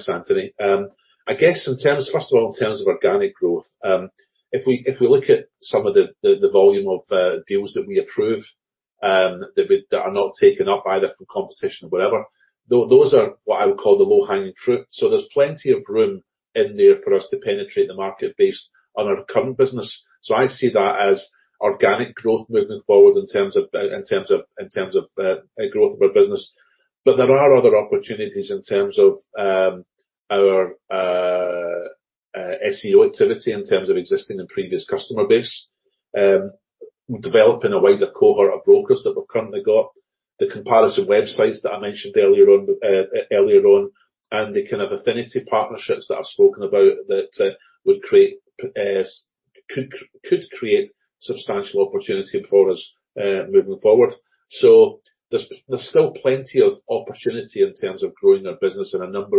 Anthony. I guess, first of all, in terms of organic growth, if we look at some of the volume of deals that we approve that are not taken up either from competition or whatever, those are what I would call the low-hanging fruit. There's plenty of room in there for us to penetrate the market based on our current business. There are other opportunities in terms of our SEO activity, in terms of existing and previous customer base, developing a wider cohort of brokers that we've currently got, the comparison websites that I mentioned earlier on, and the kind of affinity partnerships that I've spoken about that could create substantial opportunity for us moving forward. There's still plenty of opportunity in terms of growing our business in a number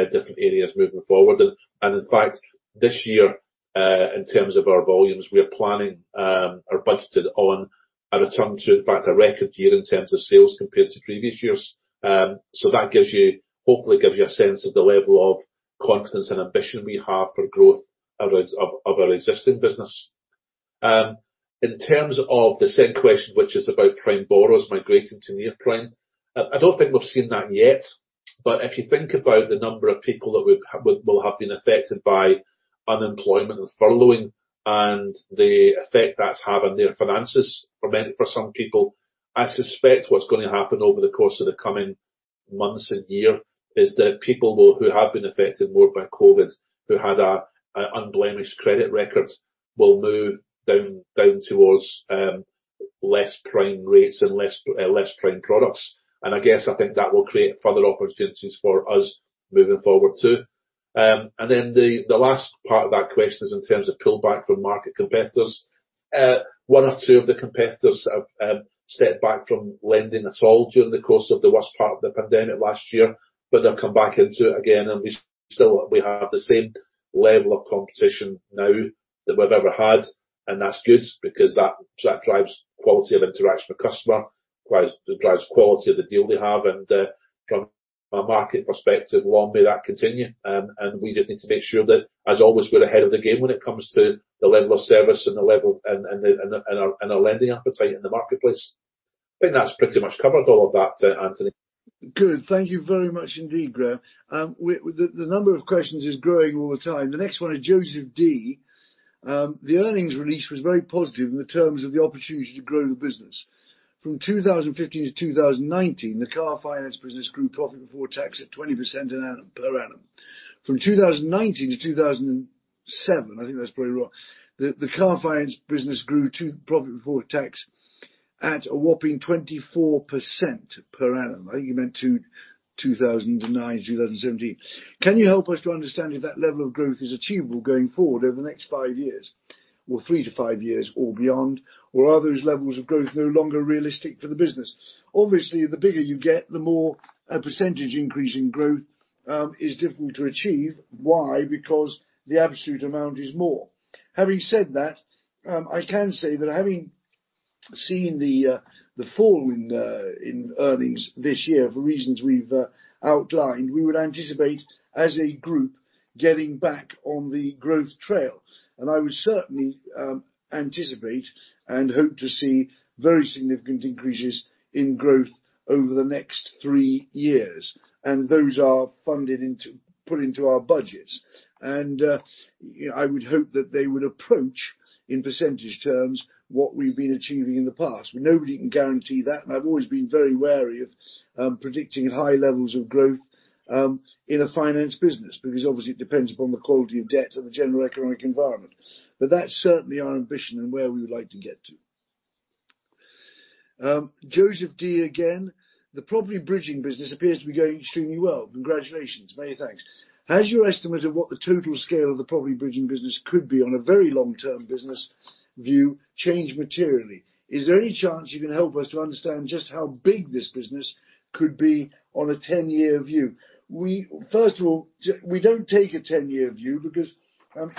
of those different areas moving forward. In fact, this year, in terms of our volumes, we are planning or budgeted on a return to, in fact, a record year in terms of sales compared to previous years. That hopefully gives you a sense of the level of confidence and ambition we have for growth of our existing business. In terms of the second question, which is about prime borrowers migrating to near prime, I don't think we've seen that yet, but if you think about the number of people that will have been affected by unemployment and furloughing, and the effect that's had on their finances for some people, I suspect what's going to happen over the course of the coming months and year is that people who have been affected more by COVID who had unblemished credit records will move down towards less prime rates and less prime products. I guess, I think that will create further opportunities for us moving forward, too. The last part of that question is in terms of pullback from market competitors. One or two of the competitors have stepped back from lending at all during the course of the worst part of the pandemic last year. They've come back into it again and we still have the same level of competition now that we've ever had. That's good because that drives quality of interaction with customer, drives quality of the deal they have. From a market perspective, long may that continue. We just need to make sure that, as always, we're ahead of the game when it comes to the level of service and our lending appetite in the marketplace. I think that's pretty much covered all of that, Anthony. Good. Thank you very much indeed, Graham. The number of questions is growing all the time. The next one is Joseph D. The earnings release was very positive in the terms of the opportunity to grow the business. From 2015 to 2019, the car finance business grew profit before tax at 20% per annum. From 2019 to 2007, I think that's probably wrong, the car finance business grew profit before tax at a whopping 24% per annum. I think he meant 2009 to 2017. Can you help us to understand if that level of growth is achievable going forward over the next five years or three to five years or beyond? Are those levels of growth no longer realistic for the business? Obviously, the bigger you get, the more a percentage increase in growth is difficult to achieve. Why? Because the absolute amount is more. Having said that, I can say that having seen the fall in earnings this year, for reasons we've outlined, we would anticipate, as a group, getting back on the growth trail. I would certainly anticipate and hope to see very significant increases in growth over the next three years. Those are put into our budgets. I would hope that they would approach in percentage terms, what we've been achieving in the past. Nobody can guarantee that, and I've always been very wary of predicting high levels of growth in a finance business, because obviously it depends upon the quality of debt and the general economic environment. That's certainly our ambition and where we would like to get to. Joseph D again, "The property bridging business appears to be going extremely well. Congratulations." Many thanks. Has your estimate of what the total scale of the property bridging business could be on a very long-term business view changed materially? Is there any chance you can help us to understand just how big this business could be on a 10-year view? First of all, we don't take a 10-year view because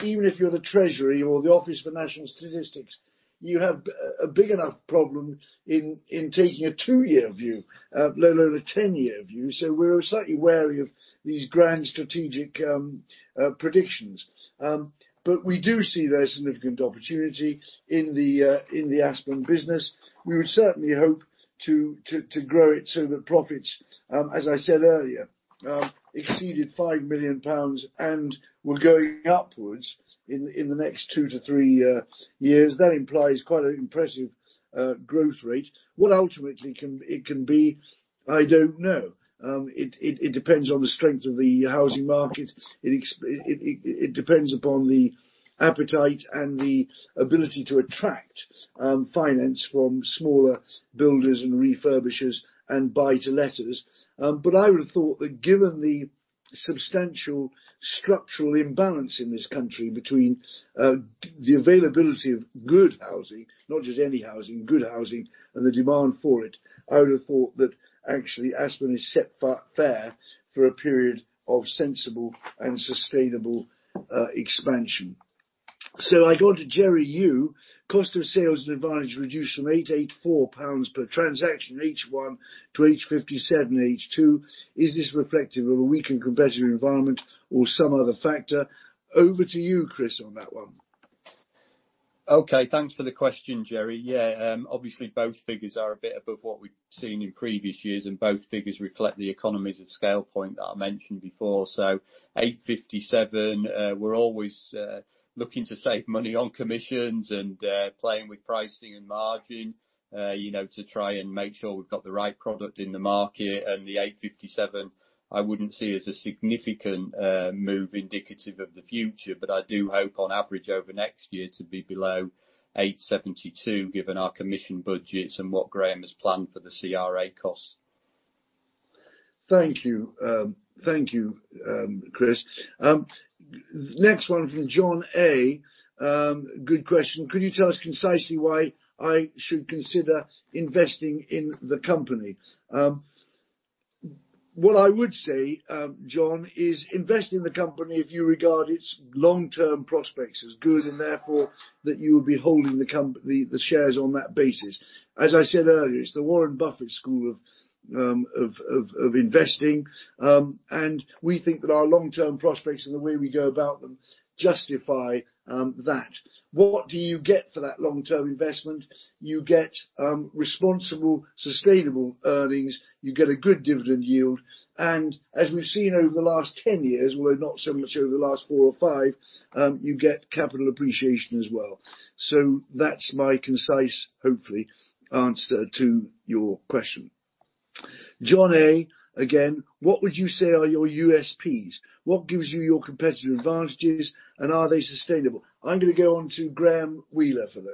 even if you're the Treasury or the Office for National Statistics, you have a big enough problem in taking a two-year view, let alone a 10-year view. We're slightly wary of these grand strategic predictions. We do see there's significant opportunity in the Aspen business. We would certainly hope to grow it so that profits, as I said earlier, exceeded 5 million pounds and were going upwards in the next two to three years. That implies quite an impressive growth rate. What ultimately it can be, I don't know. It depends on the strength of the housing market. It depends upon the appetite and the ability to attract finance from smaller builders and refurbishers and buy-to-letters. I would have thought that given the substantial structural imbalance in this country between the availability of good housing, not just any housing, good housing, and the demand for it, I would have thought that actually Aspen is set fair for a period of sensible and sustainable expansion. I go to Jerry Yu. "Cost of sales and Advantage reduced from 884 pounds per transaction, H1 to 857, H2. Is this reflective of a weaker competitive environment or some other factor?" Over to you, Chris, on that one. Okay. Thanks for the question, Jerry. Obviously both figures are a bit above what we've seen in previous years, both figures reflect the economies of scale point that I mentioned before. 857, we're always looking to save money on commissions and playing with pricing and margin to try and make sure we've got the right product in the market. The 857, I wouldn't see as a significant move indicative of the future, but I do hope on average over next year to be below 872 given our commission budgets and what Graham has planned for the CRA costs. Thank you, Chris. Next one from John A. Good question. "Could you tell us concisely why I should consider investing in the company?" What I would say, John, is invest in the company if you regard its long-term prospects as good and therefore that you will be holding the shares on that basis. As I said earlier, it's the Warren Buffett school of investing, and we think that our long-term prospects and the way we go about them justify that. What do you get for that long-term investment? You get responsible, sustainable earnings. You get a good dividend yield. As we've seen over the last 10 years, although not so much over the last four or five, you get capital appreciation as well. That's my concise, hopefully, answer to your question. John A again, "What would you say are your USPs? What gives you your competitive advantages, and are they sustainable?" I'm going to go on to Graham Wheeler for those.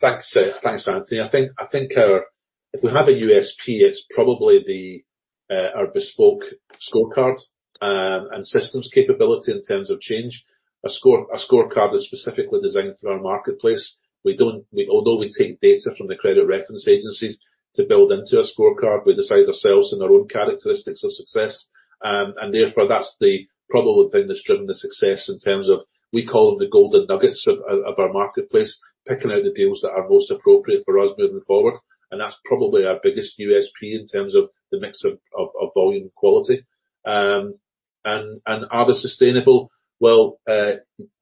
Thanks, Anthony. I think if we have a USP, it's probably our bespoke scorecard and systems capability in terms of change. A scorecard is specifically designed for our marketplace. We take data from the credit reference agencies to build into a scorecard, we decide ourselves and our own characteristics of success, that's the probable thing that's driven the success in terms of we call them the golden nuggets of our marketplace, picking out the deals that are most appropriate for us moving forward. That's probably our biggest USP in terms of the mix of volume quality. Are they sustainable? Well,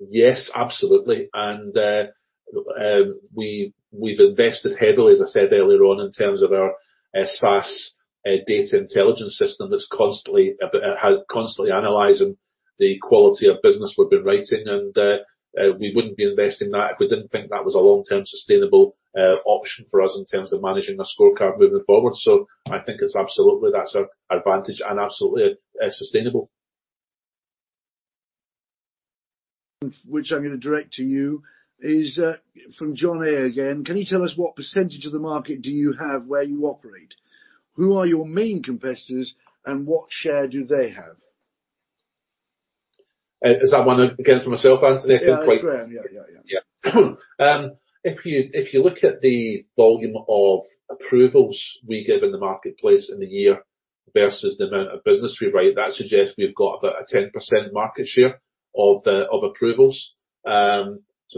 yes, absolutely. We've invested heavily, as I said earlier on, in terms of our SAS data intelligence system that's constantly analyzing the quality of business we've been writing. We wouldn't be investing that if we didn't think that was a long-term sustainable option for us in terms of managing our scorecard moving forward. I think it's absolutely that's our advantage and absolutely sustainable. Which I'm going to direct to you is from John A again. "Can you tell us what percentage of the market do you have where you operate? Who are your main competitors, and what share do they have? Is that one again for myself, Anthony? I couldn't quite- Yeah, Graham. Yeah If you look at the volume of approvals we give in the marketplace in the year versus the amount of business we write, that suggests we've got about a 10% market share of approvals.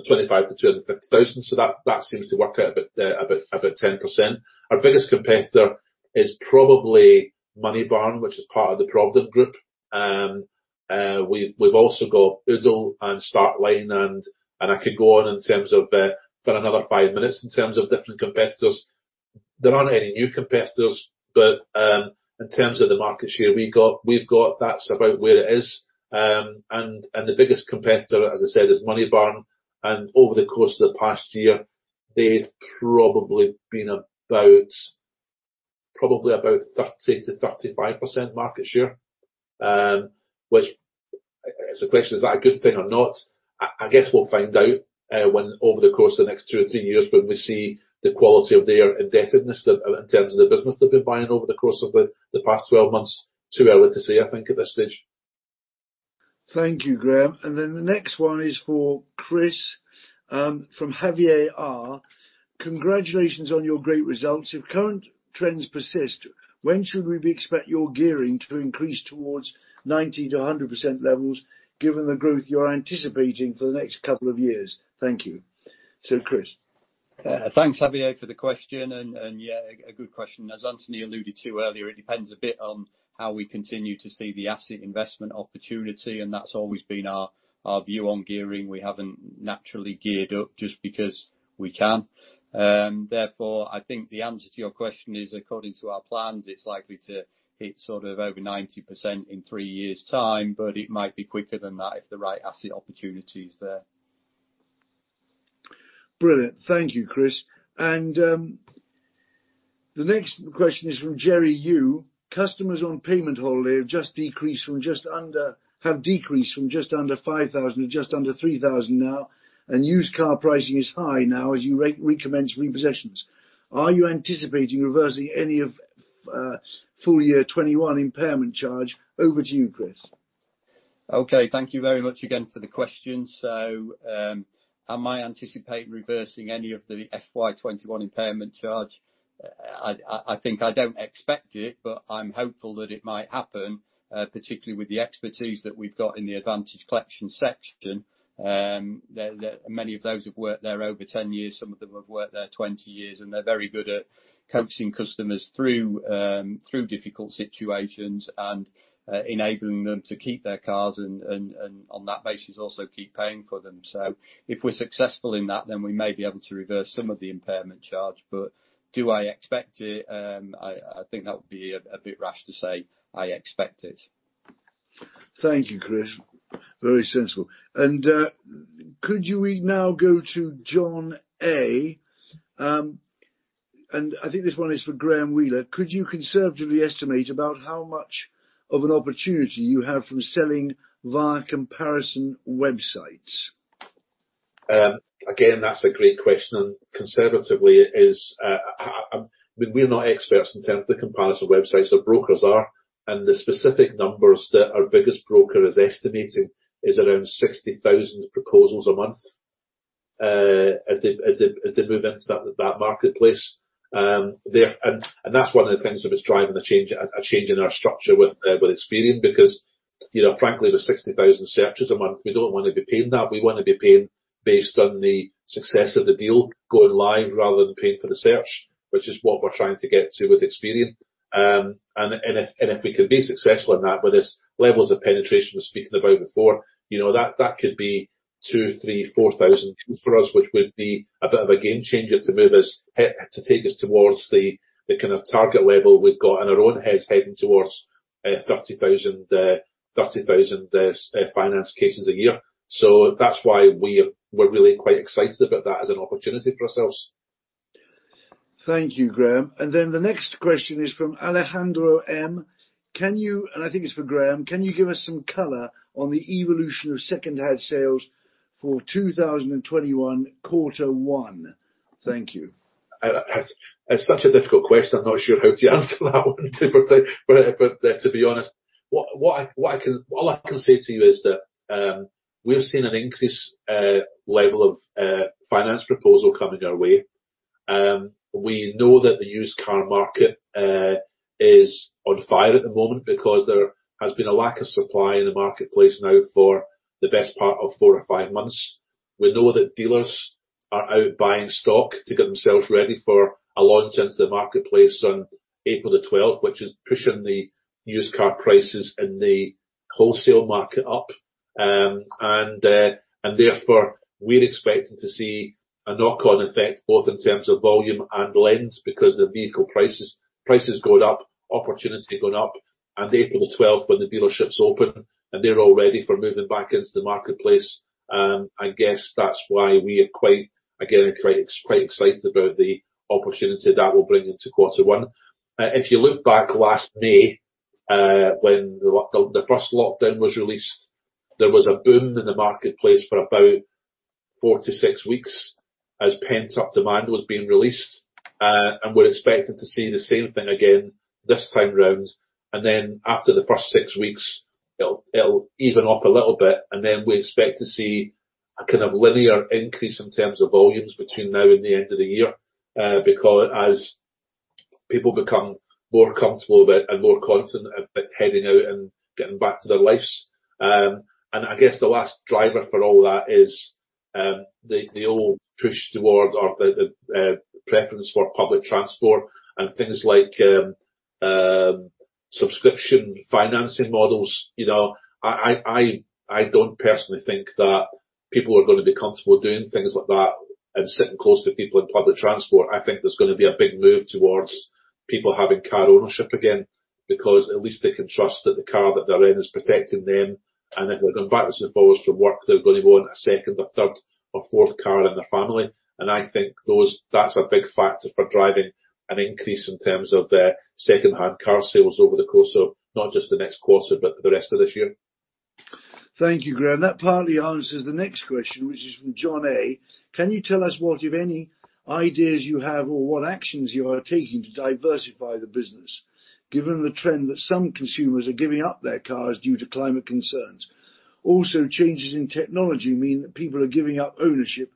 25 to 250,000. That seems to work out about 10%. Our biggest competitor is probably Moneybarn, which is part of the Provident Group. We've also got Oodle and Startline, and I could go on in terms of for another five minutes in terms of different competitors. There aren't any new competitors, but in terms of the market share we've got, that's about where it is. The biggest competitor, as I said, is Moneybarn, and over the course of the past year, they've probably been about 30%-35% market share. Which, I guess the question, is that a good thing or not? I guess we'll find out over the course of the next two or three years, when we see the quality of their indebtedness in terms of the business they've been buying over the course of the past 12 months. Too early to say, I think, at this stage. Thank you, Graham. The next one is for Chris, from Javier R. "Congratulations on your great results. If current trends persist, when should we expect your gearing to increase towards 90%-100% levels given the growth you're anticipating for the next couple of years? Thank you." Chris. Thanks, Javier, for the question. Yeah, a good question. As Anthony alluded to earlier, it depends a bit on how we continue to see the asset investment opportunity, and that's always been our view on gearing. We haven't naturally geared up just because we can. Therefore, I think the answer to your question is, according to our plans, it's likely to hit sort of over 90% in three years' time, but it might be quicker than that if the right asset opportunity is there. Brilliant. Thank you, Chris. The next question is from Jerry Yu. "Customers on payment holiday have decreased from just under 5,000 to just under 3,000 now, and used car pricing is high now as you recommence repossessions. Are you anticipating reversing any of full year 2021 impairment charge?" Over to you, Chris. Okay. Thank you very much again for the question. Am I anticipating reversing any of the FY 2021 impairment charge? I think I don't expect it, but I'm hopeful that it might happen, particularly with the expertise that we've got in the Advantage collection section. Many of those have worked there over 10 years, some of them have worked there 20 years, and they're very good at coaching customers through difficult situations and enabling them to keep their cars, and on that basis, also keep paying for them. If we're successful in that, then we may be able to reverse some of the impairment charge. Do I expect it? I think that would be a bit rash to say I expect it. Thank you, Chris. Very sensible. Could we now go to John A.? I think this one is for Graham Wheeler. "Could you conservatively estimate about how much of an opportunity you have from selling via comparison websites? That's a great question. Conservatively, we're not experts in terms of the comparison websites, our brokers are. The specific numbers that our biggest broker is estimating is around 60,000 proposals a month, as they move into that marketplace. That's one of the things that is driving a change in our structure with Experian because frankly, there's 60,000 searches a month. We don't want to be paying that. We want to be paying based on the success of the deal going live rather than paying for the search, which is what we're trying to get to with Experian. If we can be successful in that with this levels of penetration I was speaking about before, that could be 2,000, 3,000, 4,000 for us, which would be a bit of a game changer to take us towards the kind of target level we've got in our own heads heading towards 30,000 finance cases a year. That's why we're really quite excited about that as an opportunity for ourselves. Thank you, Graham. The next question is from Alejandro M. I think it's for Graham. Can you give us some color on the evolution of secondhand sales for 2021 Q1? Thank you. It's such a difficult question, I'm not sure how to answer that one, to be honest. All I can say to you is that we've seen an increase level of finance proposal coming our way. We know that the used car market is on fire at the moment because there has been a lack of supply in the marketplace now for the best part of four or five months. We know that dealers are out buying stock to get themselves ready for a launch into the marketplace on April 12th, which is pushing the used car prices in the wholesale market up. Therefore, we're expecting to see a knock-on effect, both in terms of volume and lends because the vehicle prices are going up, opportunity going up, and April 12th when the dealerships open, and they're all ready for moving back into the marketplace. I guess that's why we are, again, quite excited about the opportunity that will bring into Q1. If you look back last May, when the first lockdown was released, there was a boom in the marketplace for about four to six weeks as pent-up demand was being released. We're expecting to see the same thing again this time round. After the first six weeks, it'll even up a little bit, and then we expect to see a kind of linear increase in terms of volumes between now and the end of the year, because as people become more comfortable with and more confident about heading out and getting back to their lives. I guess the last driver for all that is, the old push toward or the preference for public transport and things like subscription financing models. I don't personally think that people are going to be comfortable doing things like that and sitting close to people in public transport. I think there's going to be a big move towards people having car ownership again, because at least they can trust that the car that they're in is protecting them, and if they're going backwards and forwards from work, they're going to want a second or third or fourth car in their family. I think that's a big factor for driving an increase in terms of their secondhand car sales over the course of not just the next quarter, but the rest of this year. Thank you, Graham. That partly answers the next question, which is from John A. "Can you tell us what, if any, ideas you have or what actions you are taking to diversify the business, given the trend that some consumers are giving up their cars due to climate concerns? Also, changes in technology mean that people are giving up ownership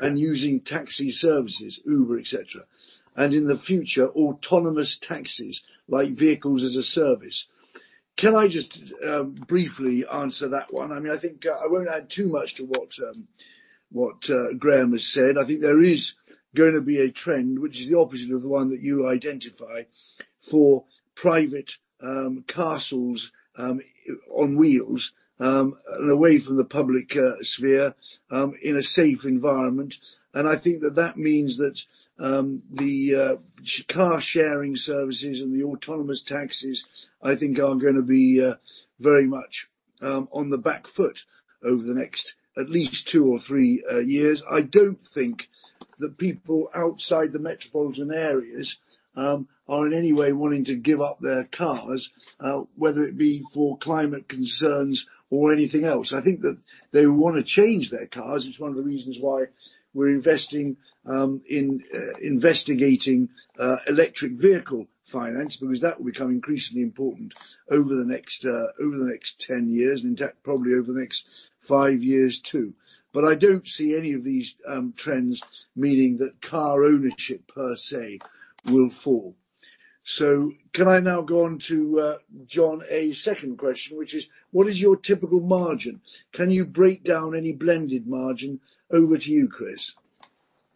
and using taxi services, Uber, et cetera, and in the future, autonomous taxis like vehicles as a service." Can I just briefly answer that one? I think I won't add too much to what Graham has said. I think there is going to be a trend, which is the opposite of the one that you identify, for private castles on wheels, and away from the public sphere, in a safe environment. I think that that means that the car-sharing services and the autonomous taxis, I think are going to be very much on the back foot over the next at least two or three years. I don't think that people outside the metropolitan areas are in any way wanting to give up their cars, whether it be for climate concerns or anything else. I think that they want to change their cars. It's one of the reasons why we're investing in investigating electric vehicle finance, because that will become increasingly important over the next 10 years. In fact, probably over the next five years, too. I don't see any of these trends meaning that car ownership per se will fall. Can I now go on to John A.'s second question, which is, "What is your typical margin? Can you break down any blended margin?" Over to you, Chris.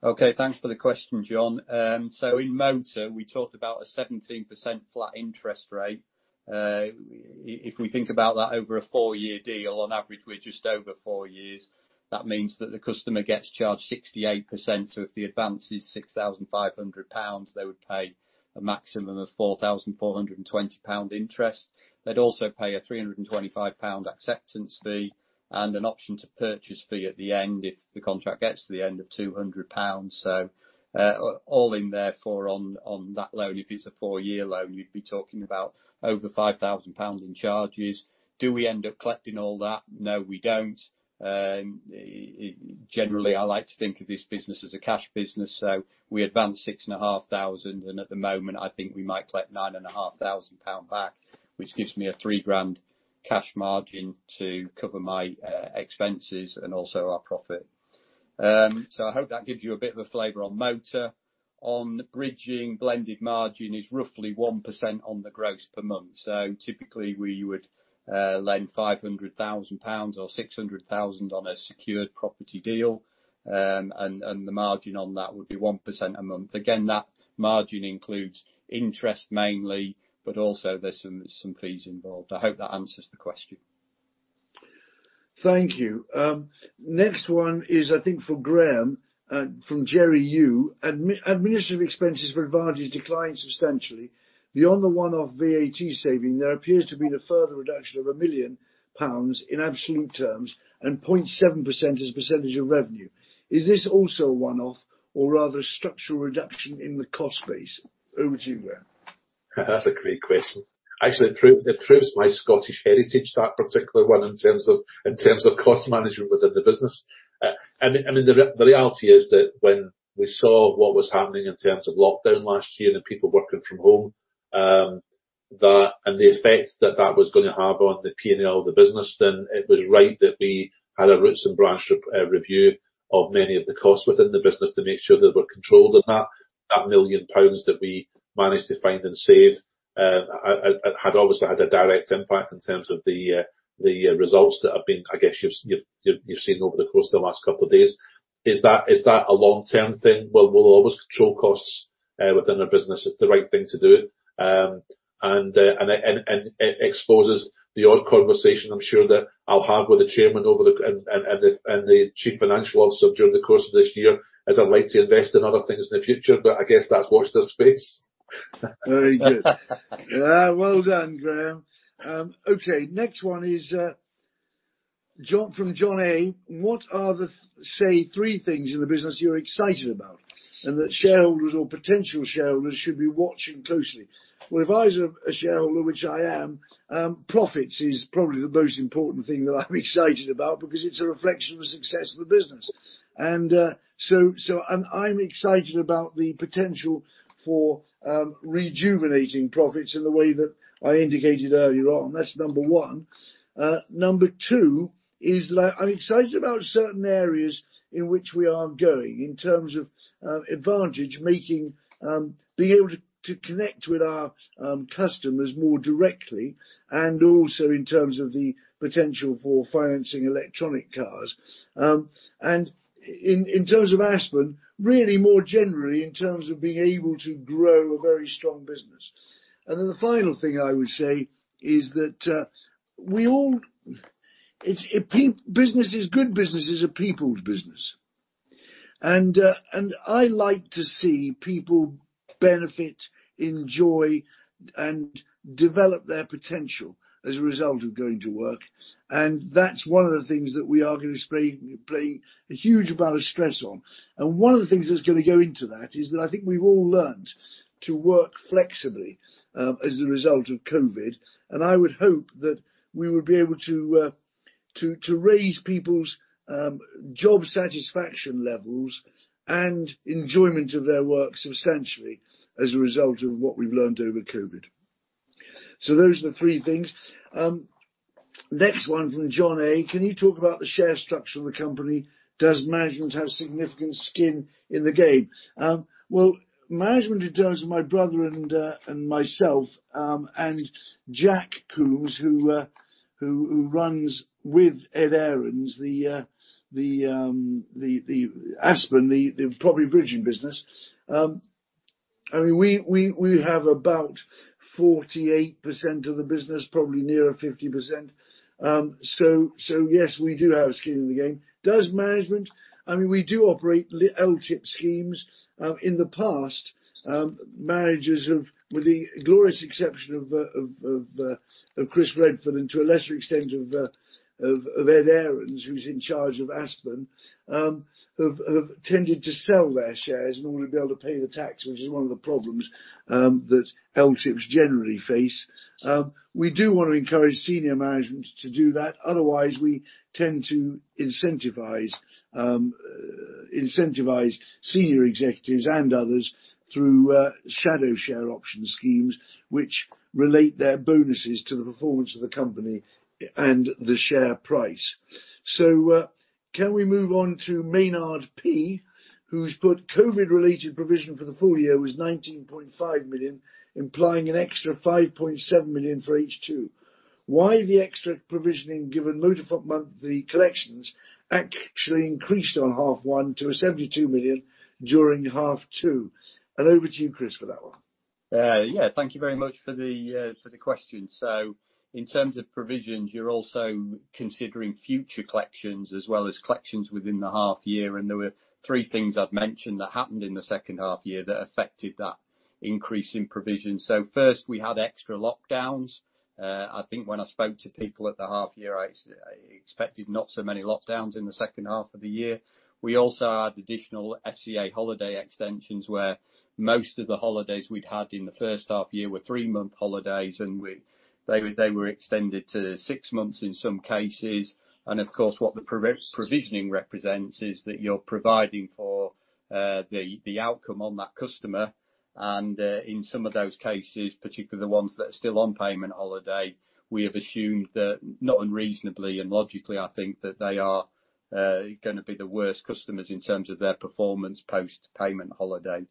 Okay, thanks for the question, John. In motor, we talked about a 17% flat interest rate. If we think about that over a four-year deal, on average, we're just over four years. That means that the customer gets charged 68%, so if the advance is 6,500 pounds, they would pay a maximum of 4,420 pound interest. They'd also pay a 325 pound acceptance fee and an option to purchase fee at the end if the contract gets to the end of 200 pounds. All in therefore on that loan, if it's a four-year loan, you'd be talking about over 5,000 pounds in charges. Do we end up collecting all that? No, we don't. Generally, I like to think of this business as a cash business. We advance 6,500, and at the moment, I think we might collect 9,500 pound back, which gives me a 3,000 cash margin to cover my expenses and also our profit. I hope that gives you a bit of a flavor on motor. On bridging, blended margin is roughly 1% on the gross per month. Typically, we would lend 500,000 pounds or 600,000 on a secured property deal, and the margin on that would be 1% a month. Again, that margin includes interest mainly, but also there's some fees involved. I hope that answers the question. Thank you. Next one is, I think for Graham, from Jerry Yu. "Administrative expenses for Advantage declined substantially. Beyond the one-off VAT saving, there appears to be a further reduction of 1 million pounds in absolute terms and 0.7% as a percentage of revenue. Is this also a one-off or rather a structural reduction in the cost base?" Over to you, Graham. That's a great question. Actually, it proves my Scottish heritage, that particular one, in terms of cost management within the business. The reality is that when we saw what was happening in terms of lockdown last year and people working from home, and the effect that that was going to have on the P&L of the business, then it was right that we had a roots and branch review of many of the costs within the business to make sure they were controlled, and that 1 million pounds that we managed to find and save, obviously had a direct impact in terms of the results that have been, I guess you've seen over the course of the last couple of days. Is that a long-term thing? Well, we'll always control costs within our business. It's the right thing to do, and it exposes the odd conversation, I'm sure, that I'll have with the chairman and the chief financial officer during the course of this year as I like to invest in other things in the future. I guess that's watch this space. Next one is from John A. "What are the, say, three things in the business you're excited about and that shareholders or potential shareholders should be watching closely?" If I was a shareholder, which I am, profits is probably the most important thing that I'm excited about because it's a reflection of the success of the business. I'm excited about the potential for rejuvenating profits in the way that I indicated earlier on. That's number one. Number two is I'm excited about certain areas in which we are going in terms of Advantage being able to connect with our customers more directly, and also in terms of the potential for financing electronic cars. In terms of Aspen, really more generally in terms of being able to grow a very strong business. The final thing I would say is that good businesses are people's business. I like to see people benefit, enjoy, and develop their potential as a result of going to work. That's one of the things that we are going to be putting a huge amount of stress on. One of the things that's going to go into that is that I think we've all learned to work flexibly, as a result of COVID. I would hope that we would be able to raise people's job satisfaction levels and enjoyment of their work substantially as a result of what we've learned over COVID. Those are the three things. Next one from John A: Can you talk about the share structure of the company? Does management have significant skin in the game? Management in terms of my brother and myself, and Jack Coombs who runs with Ed Ahrens, Aspen, the property bridging business, we have about 48% of the business, probably nearer 50%. Yes, we do have skin in the game. Does management? We do operate LTIP schemes. In the past, managers have, with the glorious exception of Chris Redford and to a lesser extent of Ed Ahrens, who's in charge of Aspen, have tended to sell their shares in order to be able to pay the tax, which is one of the problems that LTIPs generally face. We do want to encourage senior management to do that. Otherwise, we tend to incentivize senior executives and others through shadow share option schemes, which relate their bonuses to the performance of the company and the share price. Can we move on to Maynard P., who's put COVID-related provision for the full year was 19.5 million, implying an extra 5.7 million for H2. Why the extra provisioning given motor monthly collections actually increased on H1 to 72 million during H2? Over to you, Chris, for that one. Yeah. Thank you very much for the question. In terms of provisions, you're also considering future collections as well as collections within the half year, and there were three things I'd mention that happened in the H2 year that affected that increase in provision. First, we had extra lockdowns. I think when I spoke to people at the half year, I expected not so many lockdowns in the H2 of the year. We also had additional FCA holiday extensions, where most of the holidays we'd had in the H1 year were three-month holidays, and they were extended to six months in some cases. Of course, what the provisioning represents is that you're providing for the outcome on that customer. In some of those cases, particularly the ones that are still on payment holiday, we have assumed that, not unreasonably and logically, I think, that they are going to be the worst customers in terms of their performance post payment holiday.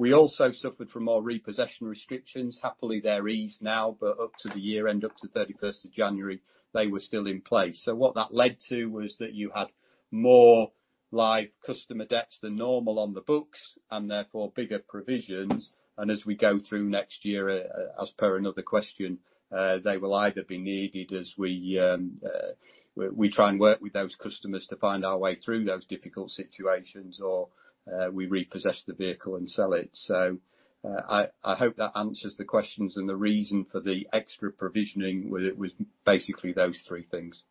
We also suffered from more repossession restrictions. Happily, they're eased now, but up to the year-end, up to 31st January, they were still in place. What that led to was that you had more live customer debts than normal on the books, and therefore bigger provisions. As we go through next year, as per another question, they will either be needed as we try and work with those customers to find our way through those difficult situations or we repossess the vehicle and sell it. I hope that answers the questions and the reason for the extra provisioning. It was basically those three things.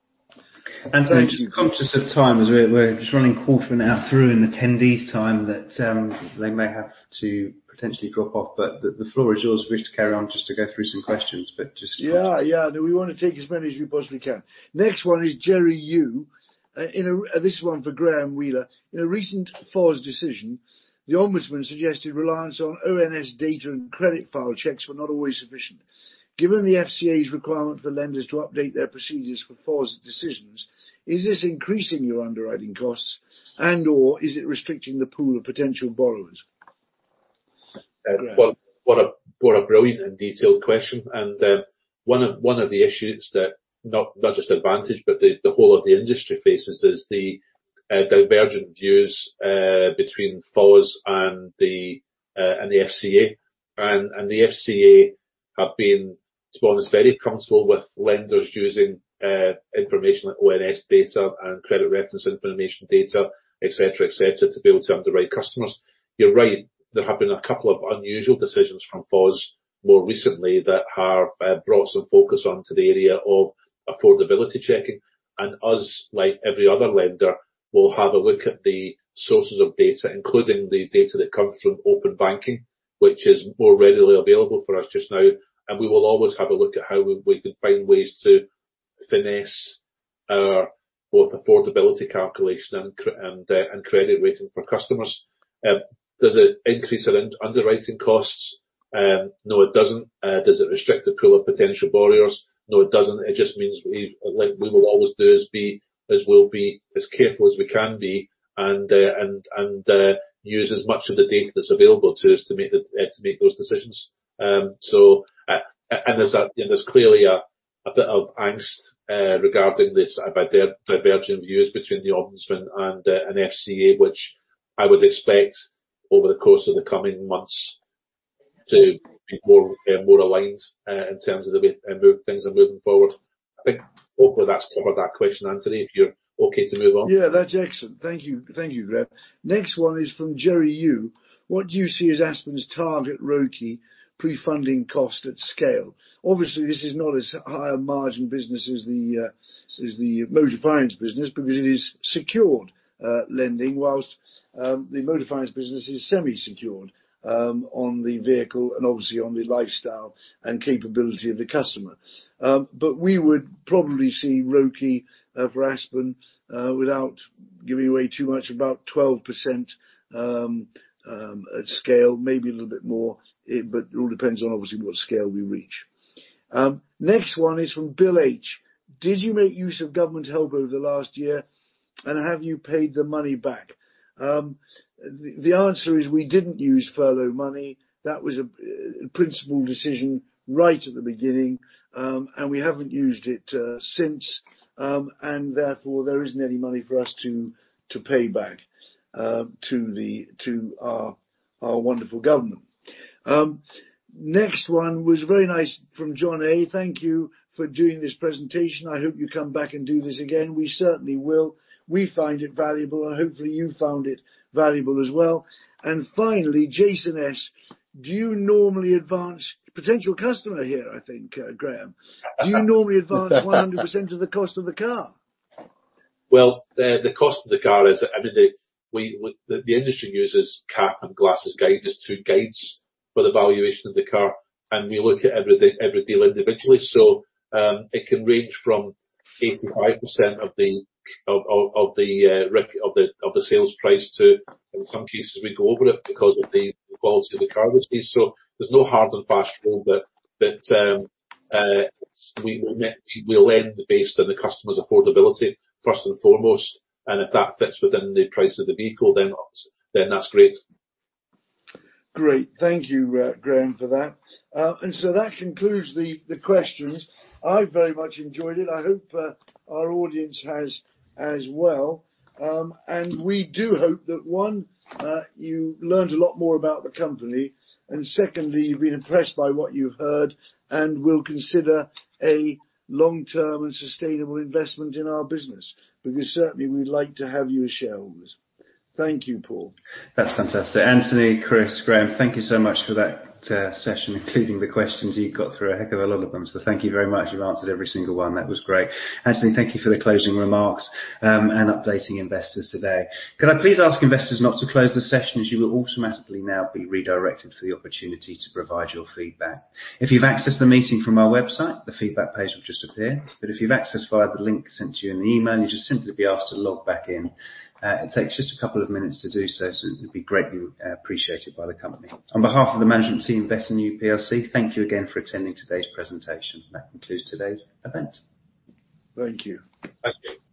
Just conscious of time as we're just running quarter of an hour through in attendees' time that they may have to potentially drop off. The floor is yours if you wish to carry on just to go through some questions. We want to take as many as we possibly can. Next one is Jerry Yu. This one for Graham Wheeler. In a recent FOS decision, the Ombudsman suggested reliance on ONS data and credit file checks were not always sufficient. Given the FCA's requirement for lenders to update their procedures for FOS decisions, is this increasing your underwriting costs and/or is it restricting the pool of potential borrowers? Graham. What a brilliant and detailed question. One of the issues that not just Advantage, but the whole of the industry faces is the divergent views between FOS and the FCA. The FCA have been as one is very comfortable with lenders using information like ONS data and credit reference information data, et cetera, to be able to underwrite customers. You're right. There have been a couple of unusual decisions from FOS more recently that have brought some focus onto the area of affordability checking. Us, like every other lender, will have a look at the sources of data, including the data that comes from open banking, which is more readily available for us just now, and we will always have a look at how we could find ways to finesse our both affordability calculation and credit rating for customers. Does it increase our underwriting costs? No, it doesn't. Does it restrict the pool of potential borrowers? No, it doesn't. It just means we, like we will always do, is we'll be as careful as we can be and use as much of the data that's available to us to make those decisions. There's clearly a bit of angst regarding this, about the divergent views between the Ombudsman and the FCA, which I would expect over the course of the coming months to be more aligned in terms of the way things are moving forward. I think hopefully that's covered that question, Anthony, if you're okay to move on. Yeah, that's excellent. Thank you, Graham. Next one is from Jerry Yu. What do you see as Aspen's target ROCE pre-funding cost at scale? Obviously, this is not as high a margin business as the motor finance business because it is secured lending, whilst the motor finance business is semi-secured on the vehicle and obviously on the lifestyle and capability of the customer. We would probably see ROCE for Aspen, without giving away too much, about 12% at scale, maybe a little bit more. It all depends on obviously what scale we reach. Next one is from Bill H. Did you make use of government help over the last year, and have you paid the money back? The answer is we didn't use furlough money. That was a principal decision right at the beginning, and we haven't used it since, and therefore there isn't any money for us to pay back to our wonderful government. Next one was very nice from John A. Thank you for doing this presentation. I hope you come back and do this again. We certainly will. We find it valuable, and hopefully you found it valuable as well. Finally, Jason S. Potential customer here, I think, Graham. Do you normally advance 100% of the cost of the car? Well, the industry uses CAP and Glass as two guides for the valuation of the car, and we look at every deal individually. It can range from 85% of the sales price to, in some cases, we go over it because of the quality of the car. There's no hard and fast rule, but we'll lend based on the customer's affordability first and foremost. If that fits within the price of the vehicle, then that's great. Great. Thank you, Graham, for that. That concludes the questions. I very much enjoyed it. I hope our audience has as well. We do hope that, one, you learned a lot more about the company, and secondly, you've been impressed by what you've heard and will consider a long-term and sustainable investment in our business. Because certainly we'd like to have you as shareholders. Thank you, Paul. That's fantastic. Anthony, Chris, Graham, thank you so much for that session, including the questions. You got through a heck of a lot of them, thank you very much. You've answered every single one. That was great. Anthony, thank you for the closing remarks and updating investors today. Could I please ask investors not to close the session, as you will automatically now be redirected for the opportunity to provide your feedback. If you've accessed the meeting from our website, the feedback page will just appear. If you've accessed via the link sent to you in the email, you'll just simply be asked to log back in. It takes just a couple of minutes to do so, it'll be greatly appreciated by the company. On behalf of the management team at S&U PLC, thank you again for attending today's presentation. That concludes today's event. Thank you. Thank you.